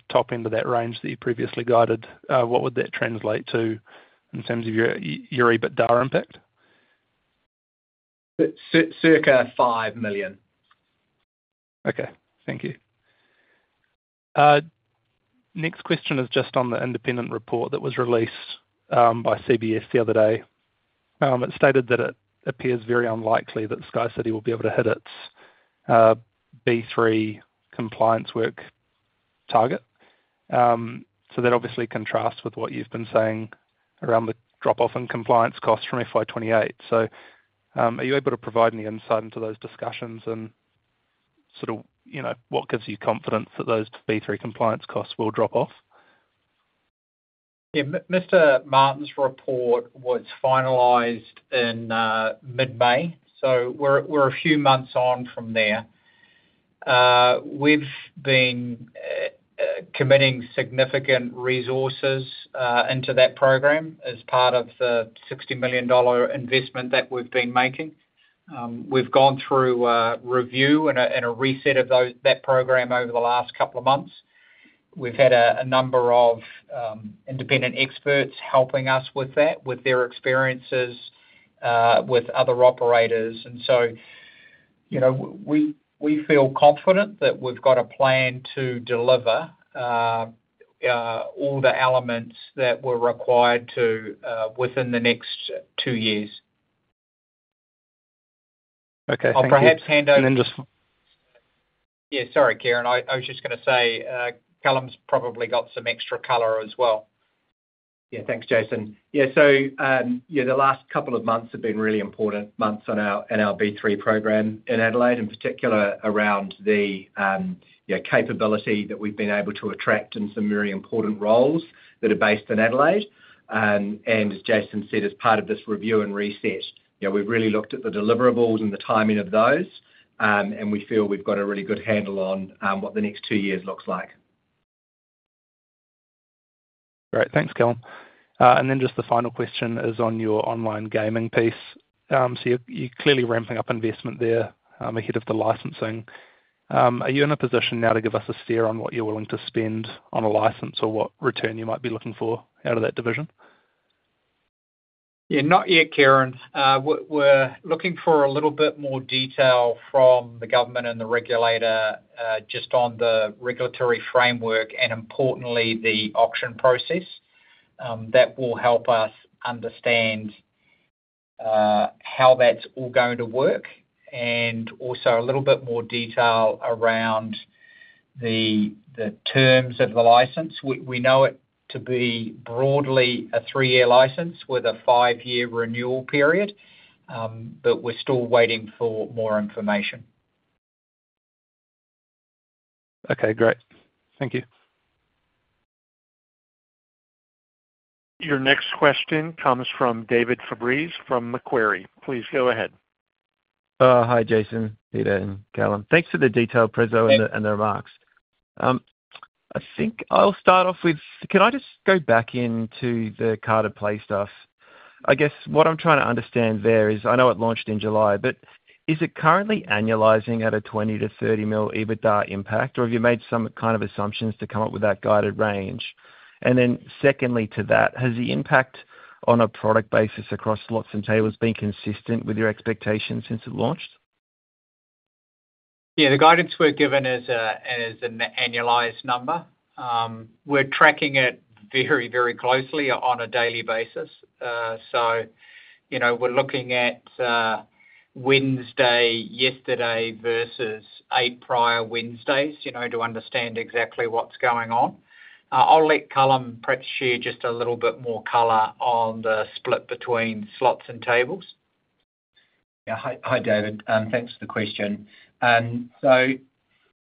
top end of that range that you previously guided, what would that translate to in terms of your EBITDA impact? Circa $5 million. Okay. Thank you. Next question is just on the independent report that was released by CBS the other day. It stated that it appears very unlikely that SkyCity will be able to hit its B3 compliance work target. That obviously contrasts with what you've been saying around the drop-off in compliance costs from FY 2028. Are you able to provide any insight into those discussions and what gives you confidence that those B3 compliance costs will drop off? Mr. Martin's report was finalized in mid-May, so we're a few months on from there. We've been committing significant resources into that program as part of the $60 million investment that we've been making. We've gone through a review and a reset of that program over the last couple of months. We've had a number of independent experts helping us with that, with their experiences with other operators. We feel confident that we've got a plan to deliver all the elements that were required within the next two years. Okay. I'll perhaps hand over. Just. Yeah, sorry, Kieran. I was just going to say Callum's probably got some extra color as well. Yeah. Thanks, Jason. The last couple of months have been really important months in our B3 program in Adelaide, in particular around the capability that we've been able to attract in some very important roles that are based in Adelaide. As Jason said, as part of this review and reset, we've really looked at the deliverables and the timing of those, and we feel we've got a really good handle on what the next two years looks like. Great. Thanks, Callum. Just the final question is on your online gaming piece. You're clearly ramping up investment there ahead of the licensing. Are you in a position now to give us a steer on what you're willing to spend on a license or what return you might be looking for out of that division? Not yet, Kieran. We're looking for a little bit more detail from the government and the regulator just on the regulatory framework and, importantly, the auction process. That will help us understand how that's all going to work and also a little bit more detail around the terms of the license. We know it to be broadly a three-year license with a five-year renewal period, but we're still waiting for more information. Okay, great. Thank you. Your next question comes from David Fabriz from Macquarie. Please go ahead. Hi, Jason, Peter, and Callum. Thanks for the detailed proposal and the remarks. I think I'll start off with, can I just go back into the carded play stuff? I guess what I'm trying to understand there is, I know it launched in July, but is it currently annualizing at a $20 million-$30 million EBITDA impact, or have you made some kind of assumptions to come up with that guided range? Secondly to that, has the impact on a product basis across slots and tables been consistent with your expectations since it launched? Yeah, the guidance we're given is an annualized number. We're tracking it very, very closely on a daily basis. You know we're looking at Wednesday yesterday versus eight prior Wednesdays to understand exactly what's going on. I'll let Callum share just a little bit more color on the split between slots and tables. Yeah, hi David. Thanks for the question.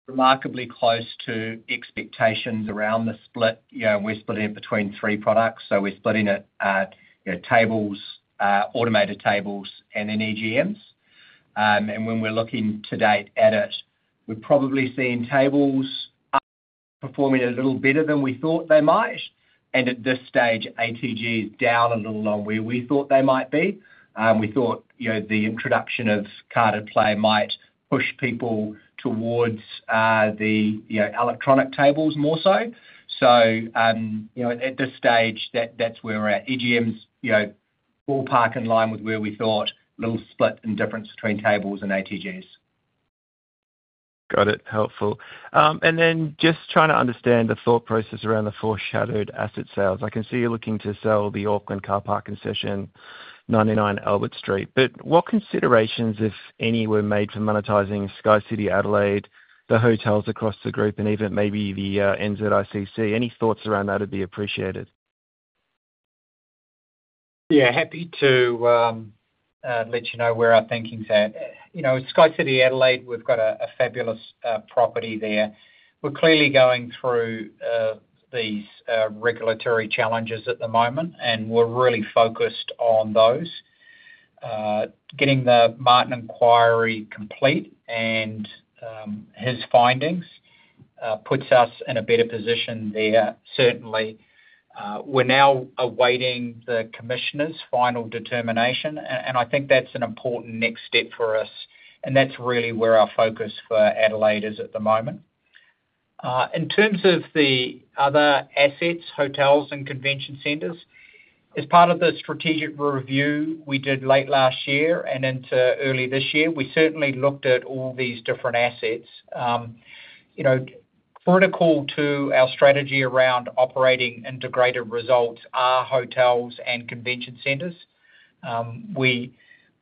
Remarkably close to expectations around the split. We're splitting it between three products. We're splitting it at tables, automated tables, and then EGMs. When we're looking to date at it, we're probably seeing tables performing a little better than we thought they might. At this stage, ATG is down a little on where we thought they might be. We thought the introduction of carded play might push people towards the electronic tables more so. At this stage, that's where we're at. EGMs ballpark in line with where we thought, little split and difference between tables and ATGs. Got it. Helpful. Just trying to understand the thought process around the foreshadowed asset sales. I can see you're looking to sell the Auckland Carpark concession, 99 Albert Street. What considerations, if any, were made for monetizing SkyCity Adelaide, the hotels across the group, and even maybe the NZICC? Any thoughts around that would be appreciated? Yeah, happy to let you know where our thinking's at. You know, SkyCity Adelaide, we've got a fabulous property there. We're clearly going through these regulatory challenges at the moment, and we're really focused on those. Getting the Martin inquiry complete and his findings puts us in a better position there, certainly. We're now awaiting the commissioner's final determination. I think that's an important next step for us. That's really where our focus for Adelaide is at the moment. In terms of the other assets, hotels and convention centers, as part of the strategic review we did late last year and into early this year, we certainly looked at all these different assets. Critical to our strategy around operating integrated results are hotels and convention centers.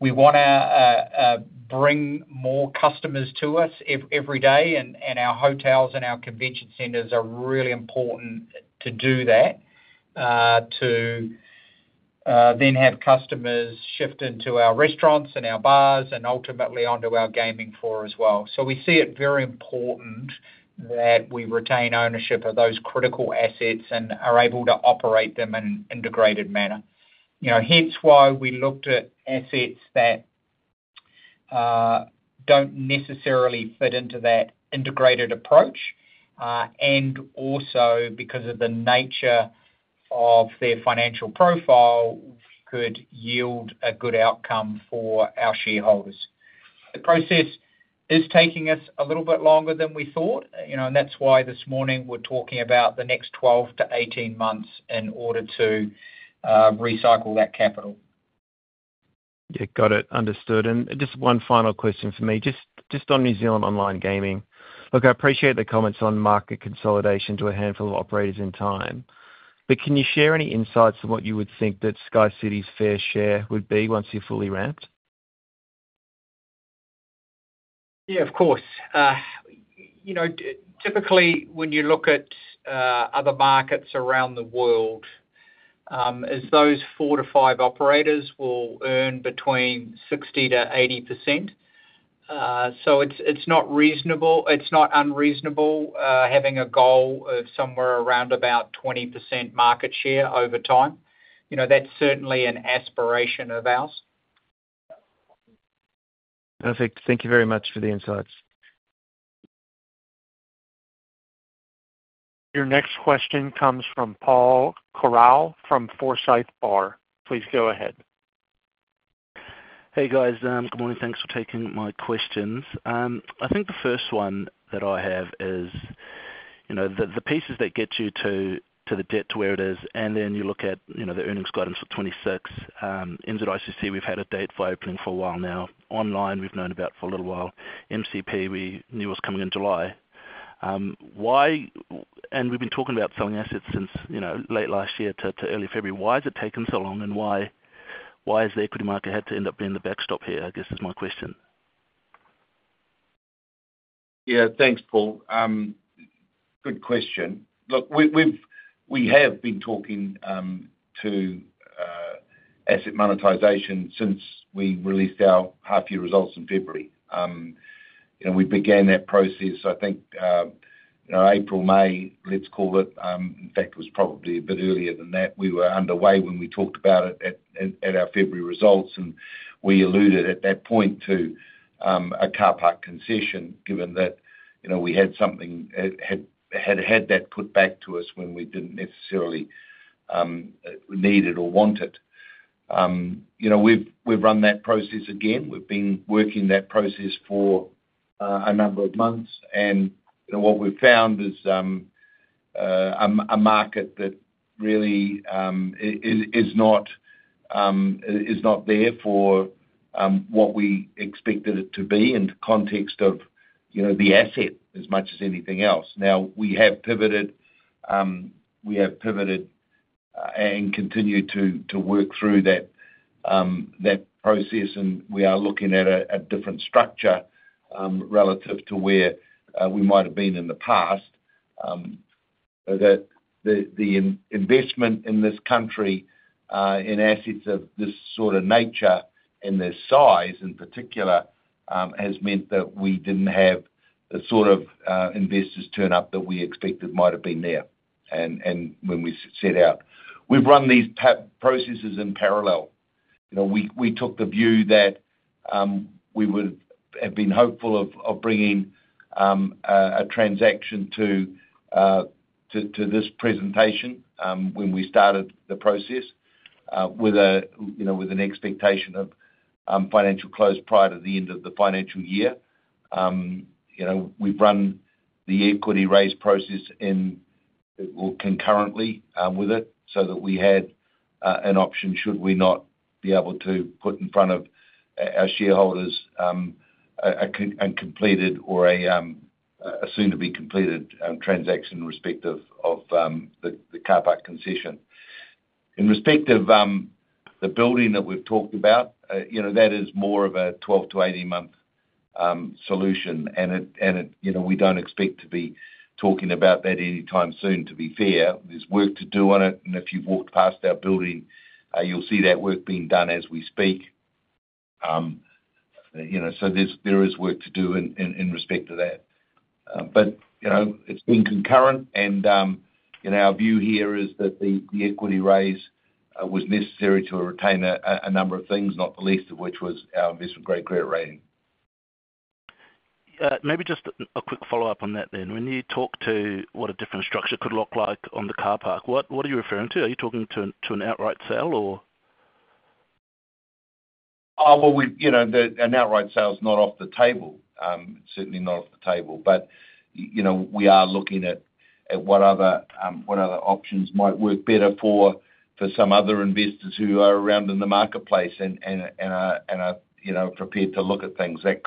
We want to bring more customers to us every day, and our hotels and our convention centers are really important to do that, to then have customers shift into our restaurants and our bars and ultimately onto our gaming floor as well. We see it very important that we retain ownership of those critical assets and are able to operate them in an integrated manner. Hence why we looked at assets that don't necessarily fit into that integrated approach and also because of the nature of their financial profile could yield a good outcome for our shareholders. The process is taking us a little bit longer than we thought, and that's why this morning we're talking about the next 12-18 months in order to recycle that capital. Got it. Understood. Just one final question for me, just on New Zealand online gaming. I appreciate the comments on market consolidation to a handful of operators in time, but can you share any insights of what you would think that SkyCity's fair share would be once you fully ramped? Yeah, of course. You know, typically when you look at other markets around the world, as those four to five operators will earn between 60%-80%, it's not unreasonable having a goal of somewhere around about 20% market share over time. You know, that's certainly an aspiration of ours. Perfect. Thank you very much for the insights. Your next question comes from Paul Corral from Forsyth Barr. Please go ahead. Hey guys, good morning. Thanks for taking my questions. I think the first one that I have is, you know, the pieces that get you to the debt to where it is, and then you look at, you know, the earnings guidance for 2026. NZICC, we've had a date for opening for a while now. Online, we've known about for a little while. MCP, we knew it was coming in July. We've been talking about selling assets since, you know, late last year to early February. Why has it taken so long and why has the equity market had to end up being the backstop here? I guess is my question. Yeah, thanks, Paul. Good question. Look, we have been talking to asset monetization since we released our half-year results in February. We began that process, I think, April, May, let's call it. In fact, it was probably a bit earlier than that. We were underway when we talked about it at our February results, and we alluded at that point to a car park concession, given that we had something that had that put back to us when we didn't necessarily need it or want it. We've run that process again. We've been working that process for a number of months, and what we've found is a market that really is not there for what we expected it to be in the context of the asset as much as anything else. Now, we have pivoted and continued to work through that process, and we are looking at a different structure relative to where we might have been in the past. The investment in this country in assets of this sort of nature and their size in particular has meant that we didn't have the sort of investors turn up that we expected might have been there when we set out. We've run these processes in parallel. We took the view that we would have been hopeful of bringing a transaction to this presentation when we started the process with an expectation of financial close prior to the end of the financial year. We've run the equity raise process concurrently with it so that we had an option should we not be able to put in front of our shareholders a completed or a soon-to-be completed transaction in respect of the car park concession. In respect of the building that we've talked about, that is more of a 12-18-month solution, and we don't expect to be talking about that anytime soon, to be fair. There's work to do on it, and if you walked past our building, you'll see that work being done as we speak. There is work to do in respect to that. It's been concurrent, and our view here is that the equity raise was necessary to retain a number of things, not the least of which was our investment-grade credit rating. Maybe just a quick follow-up on that. When you talk to what a different structure could look like on the Auckland Carpark concession, what are you referring to? Are you talking to an outright sale or? An outright sale is not off the table. It's certainly not off the table. We are looking at what other options might work better for some other investors who are around in the marketplace and are prepared to look at things. That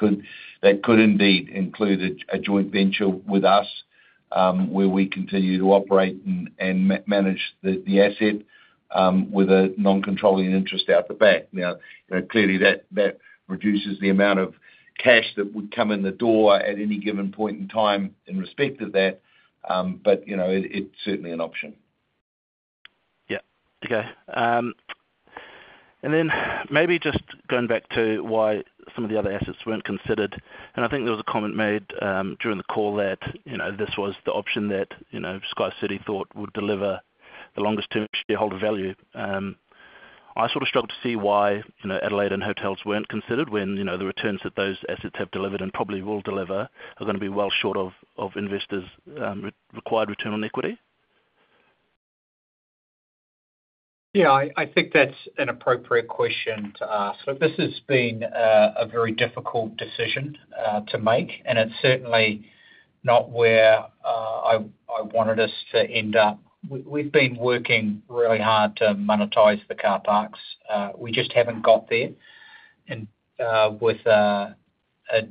could indeed include a joint venture with us where we continue to operate and manage the asset with a non-controlling interest out the back. Clearly, that reduces the amount of cash that would come in the door at any given point in time in respect of that, but it's certainly an option. Yeah, okay. Maybe just going back to why some of the other assets weren't considered, I think there was a comment made during the call that, you know, this was the option that SkyCity thought would deliver. Longest term should be a hold of value. I sort of struggle to see why, you know, Adelaide and hotels weren't considered when, you know, the returns that those assets have delivered and probably will deliver are going to be well short of investors' required return on equity. Yeah, I think that's an appropriate question to ask. This has been a very difficult decision to make, and it's certainly not where I wanted us to end up. We've been working really hard to monetize the car parks. We just haven't got there with a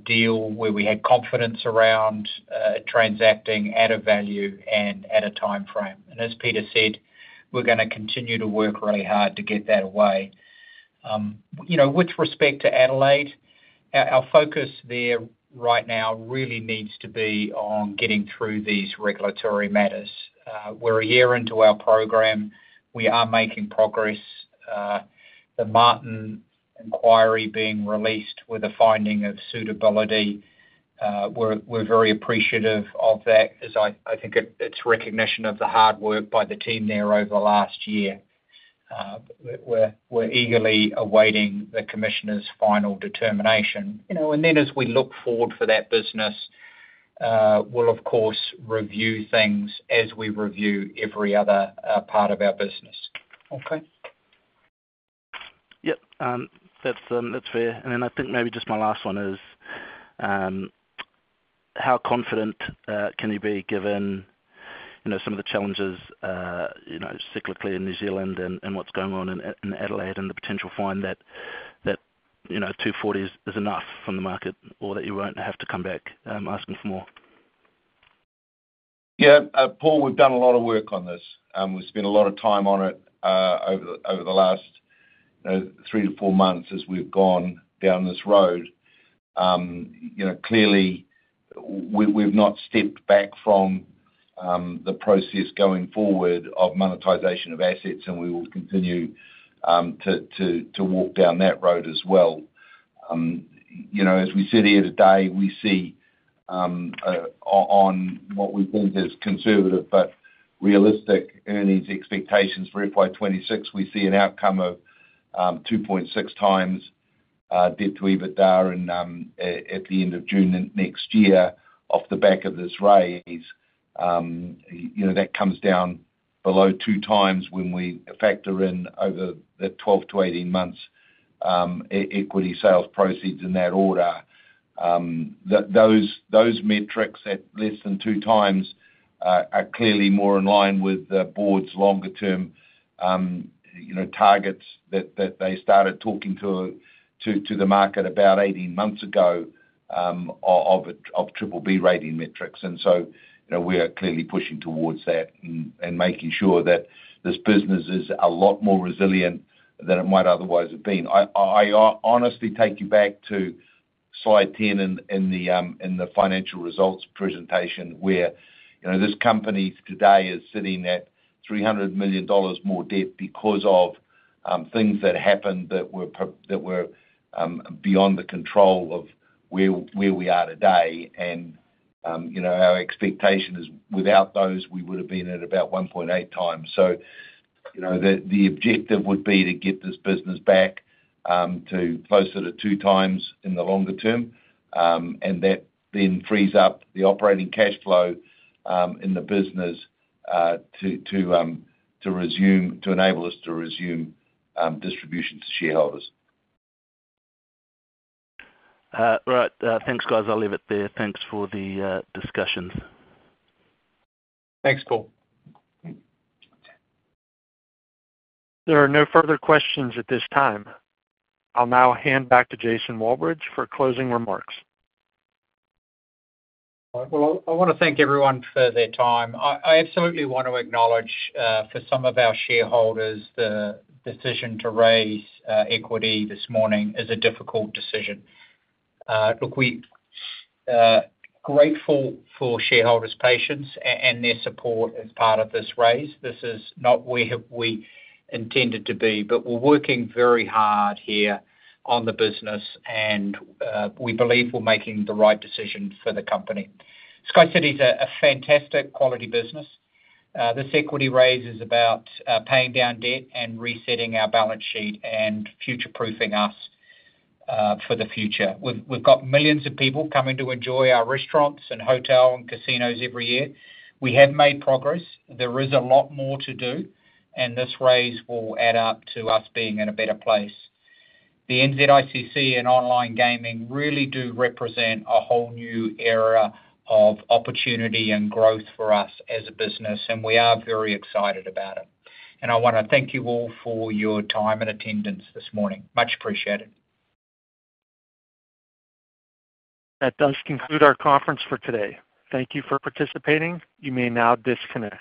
deal where we had confidence around transacting at a value and at a time frame. As Peter said, we're going to continue to work really hard to get that away. You know, with respect to Adelaide, our focus there right now really needs to be on getting through these regulatory matters. We're a year into our program. We are making progress. The Martin inquiry being released with the finding of suitability, we're very appreciative of that as I think it's recognition of the hard work by the team there over the last year. We're eagerly awaiting the commissioner's final determination. As we look forward for that business, we'll of course review things as we review every other part of our business. Okay. Yeah, that's fair. I think maybe just my last one is how confident can you be given, you know, some of the challenges, you know, cyclically in New Zealand and what's going on in Adelaide and the potential fine that, you know, $240 million is enough from the market or that you won't have to come back asking for more? Yeah, Paul, we've done a lot of work on this. We've spent a lot of time on it over the last three to four months as we've gone down this road. Clearly, we've not stepped back from the process going forward of monetization of assets and we will continue to walk down that road as well. As we sit here today, we see on what we think is conservative but realistic earnings expectations for FY 2026, we see an outcome of 2.6x debt to EBITDA at the end of June next year off the back of this raise. That comes down below 2x when we factor in over the 12-18 months equity sales proceeds in that order. Those metrics at less than 2x are clearly more in line with the board's longer-term targets that they started talking to the market about 18 months ago of BBB- credit rating metrics. We are clearly pushing towards that and making sure that this business is a lot more resilient than it might otherwise have been. I honestly take you back to slide 10 in the financial results presentation where this company today is sitting at $300 million more debt because of things that happened that were beyond the control of where we are today. Our expectation is without those, we would have been at about 1.8x. The objective would be to get this business back to closer to 2x in the longer term. That then frees up the operating cash flow in the business to enable us to resume distribution to shareholders. Right. Thanks, guys. I'll leave it there. Thanks for the discussions. Thanks, Paul. There are no further questions at this time. I'll now hand back to Jason Walbridge for closing remarks. All right. I want to thank everyone for their time. I absolutely want to acknowledge for some of our shareholders the decision to raise equity this morning is a difficult decision. We are grateful for shareholders' patience and their support as part of this raise. This is not where we intended to be, but we're working very hard here on the business and we believe we're making the right decision for the company. SkyCity Entertainment Group is a fantastic quality business. This equity raise is about paying down debt and resetting our balance sheet and future-proofing us for the future. We've got millions of people coming to enjoy our restaurants and hotels and casinos every year. We have made progress. There is a lot more to do and this raise will add up to us being in a better place. The New Zealand International Convention Centre and online gaming really do represent a whole new era of opportunity and growth for us as a business and we are very excited about it. I want to thank you all for your time and attendance this morning. Much appreciated. That does conclude our conference for today. Thank you for participating. You may now disconnect.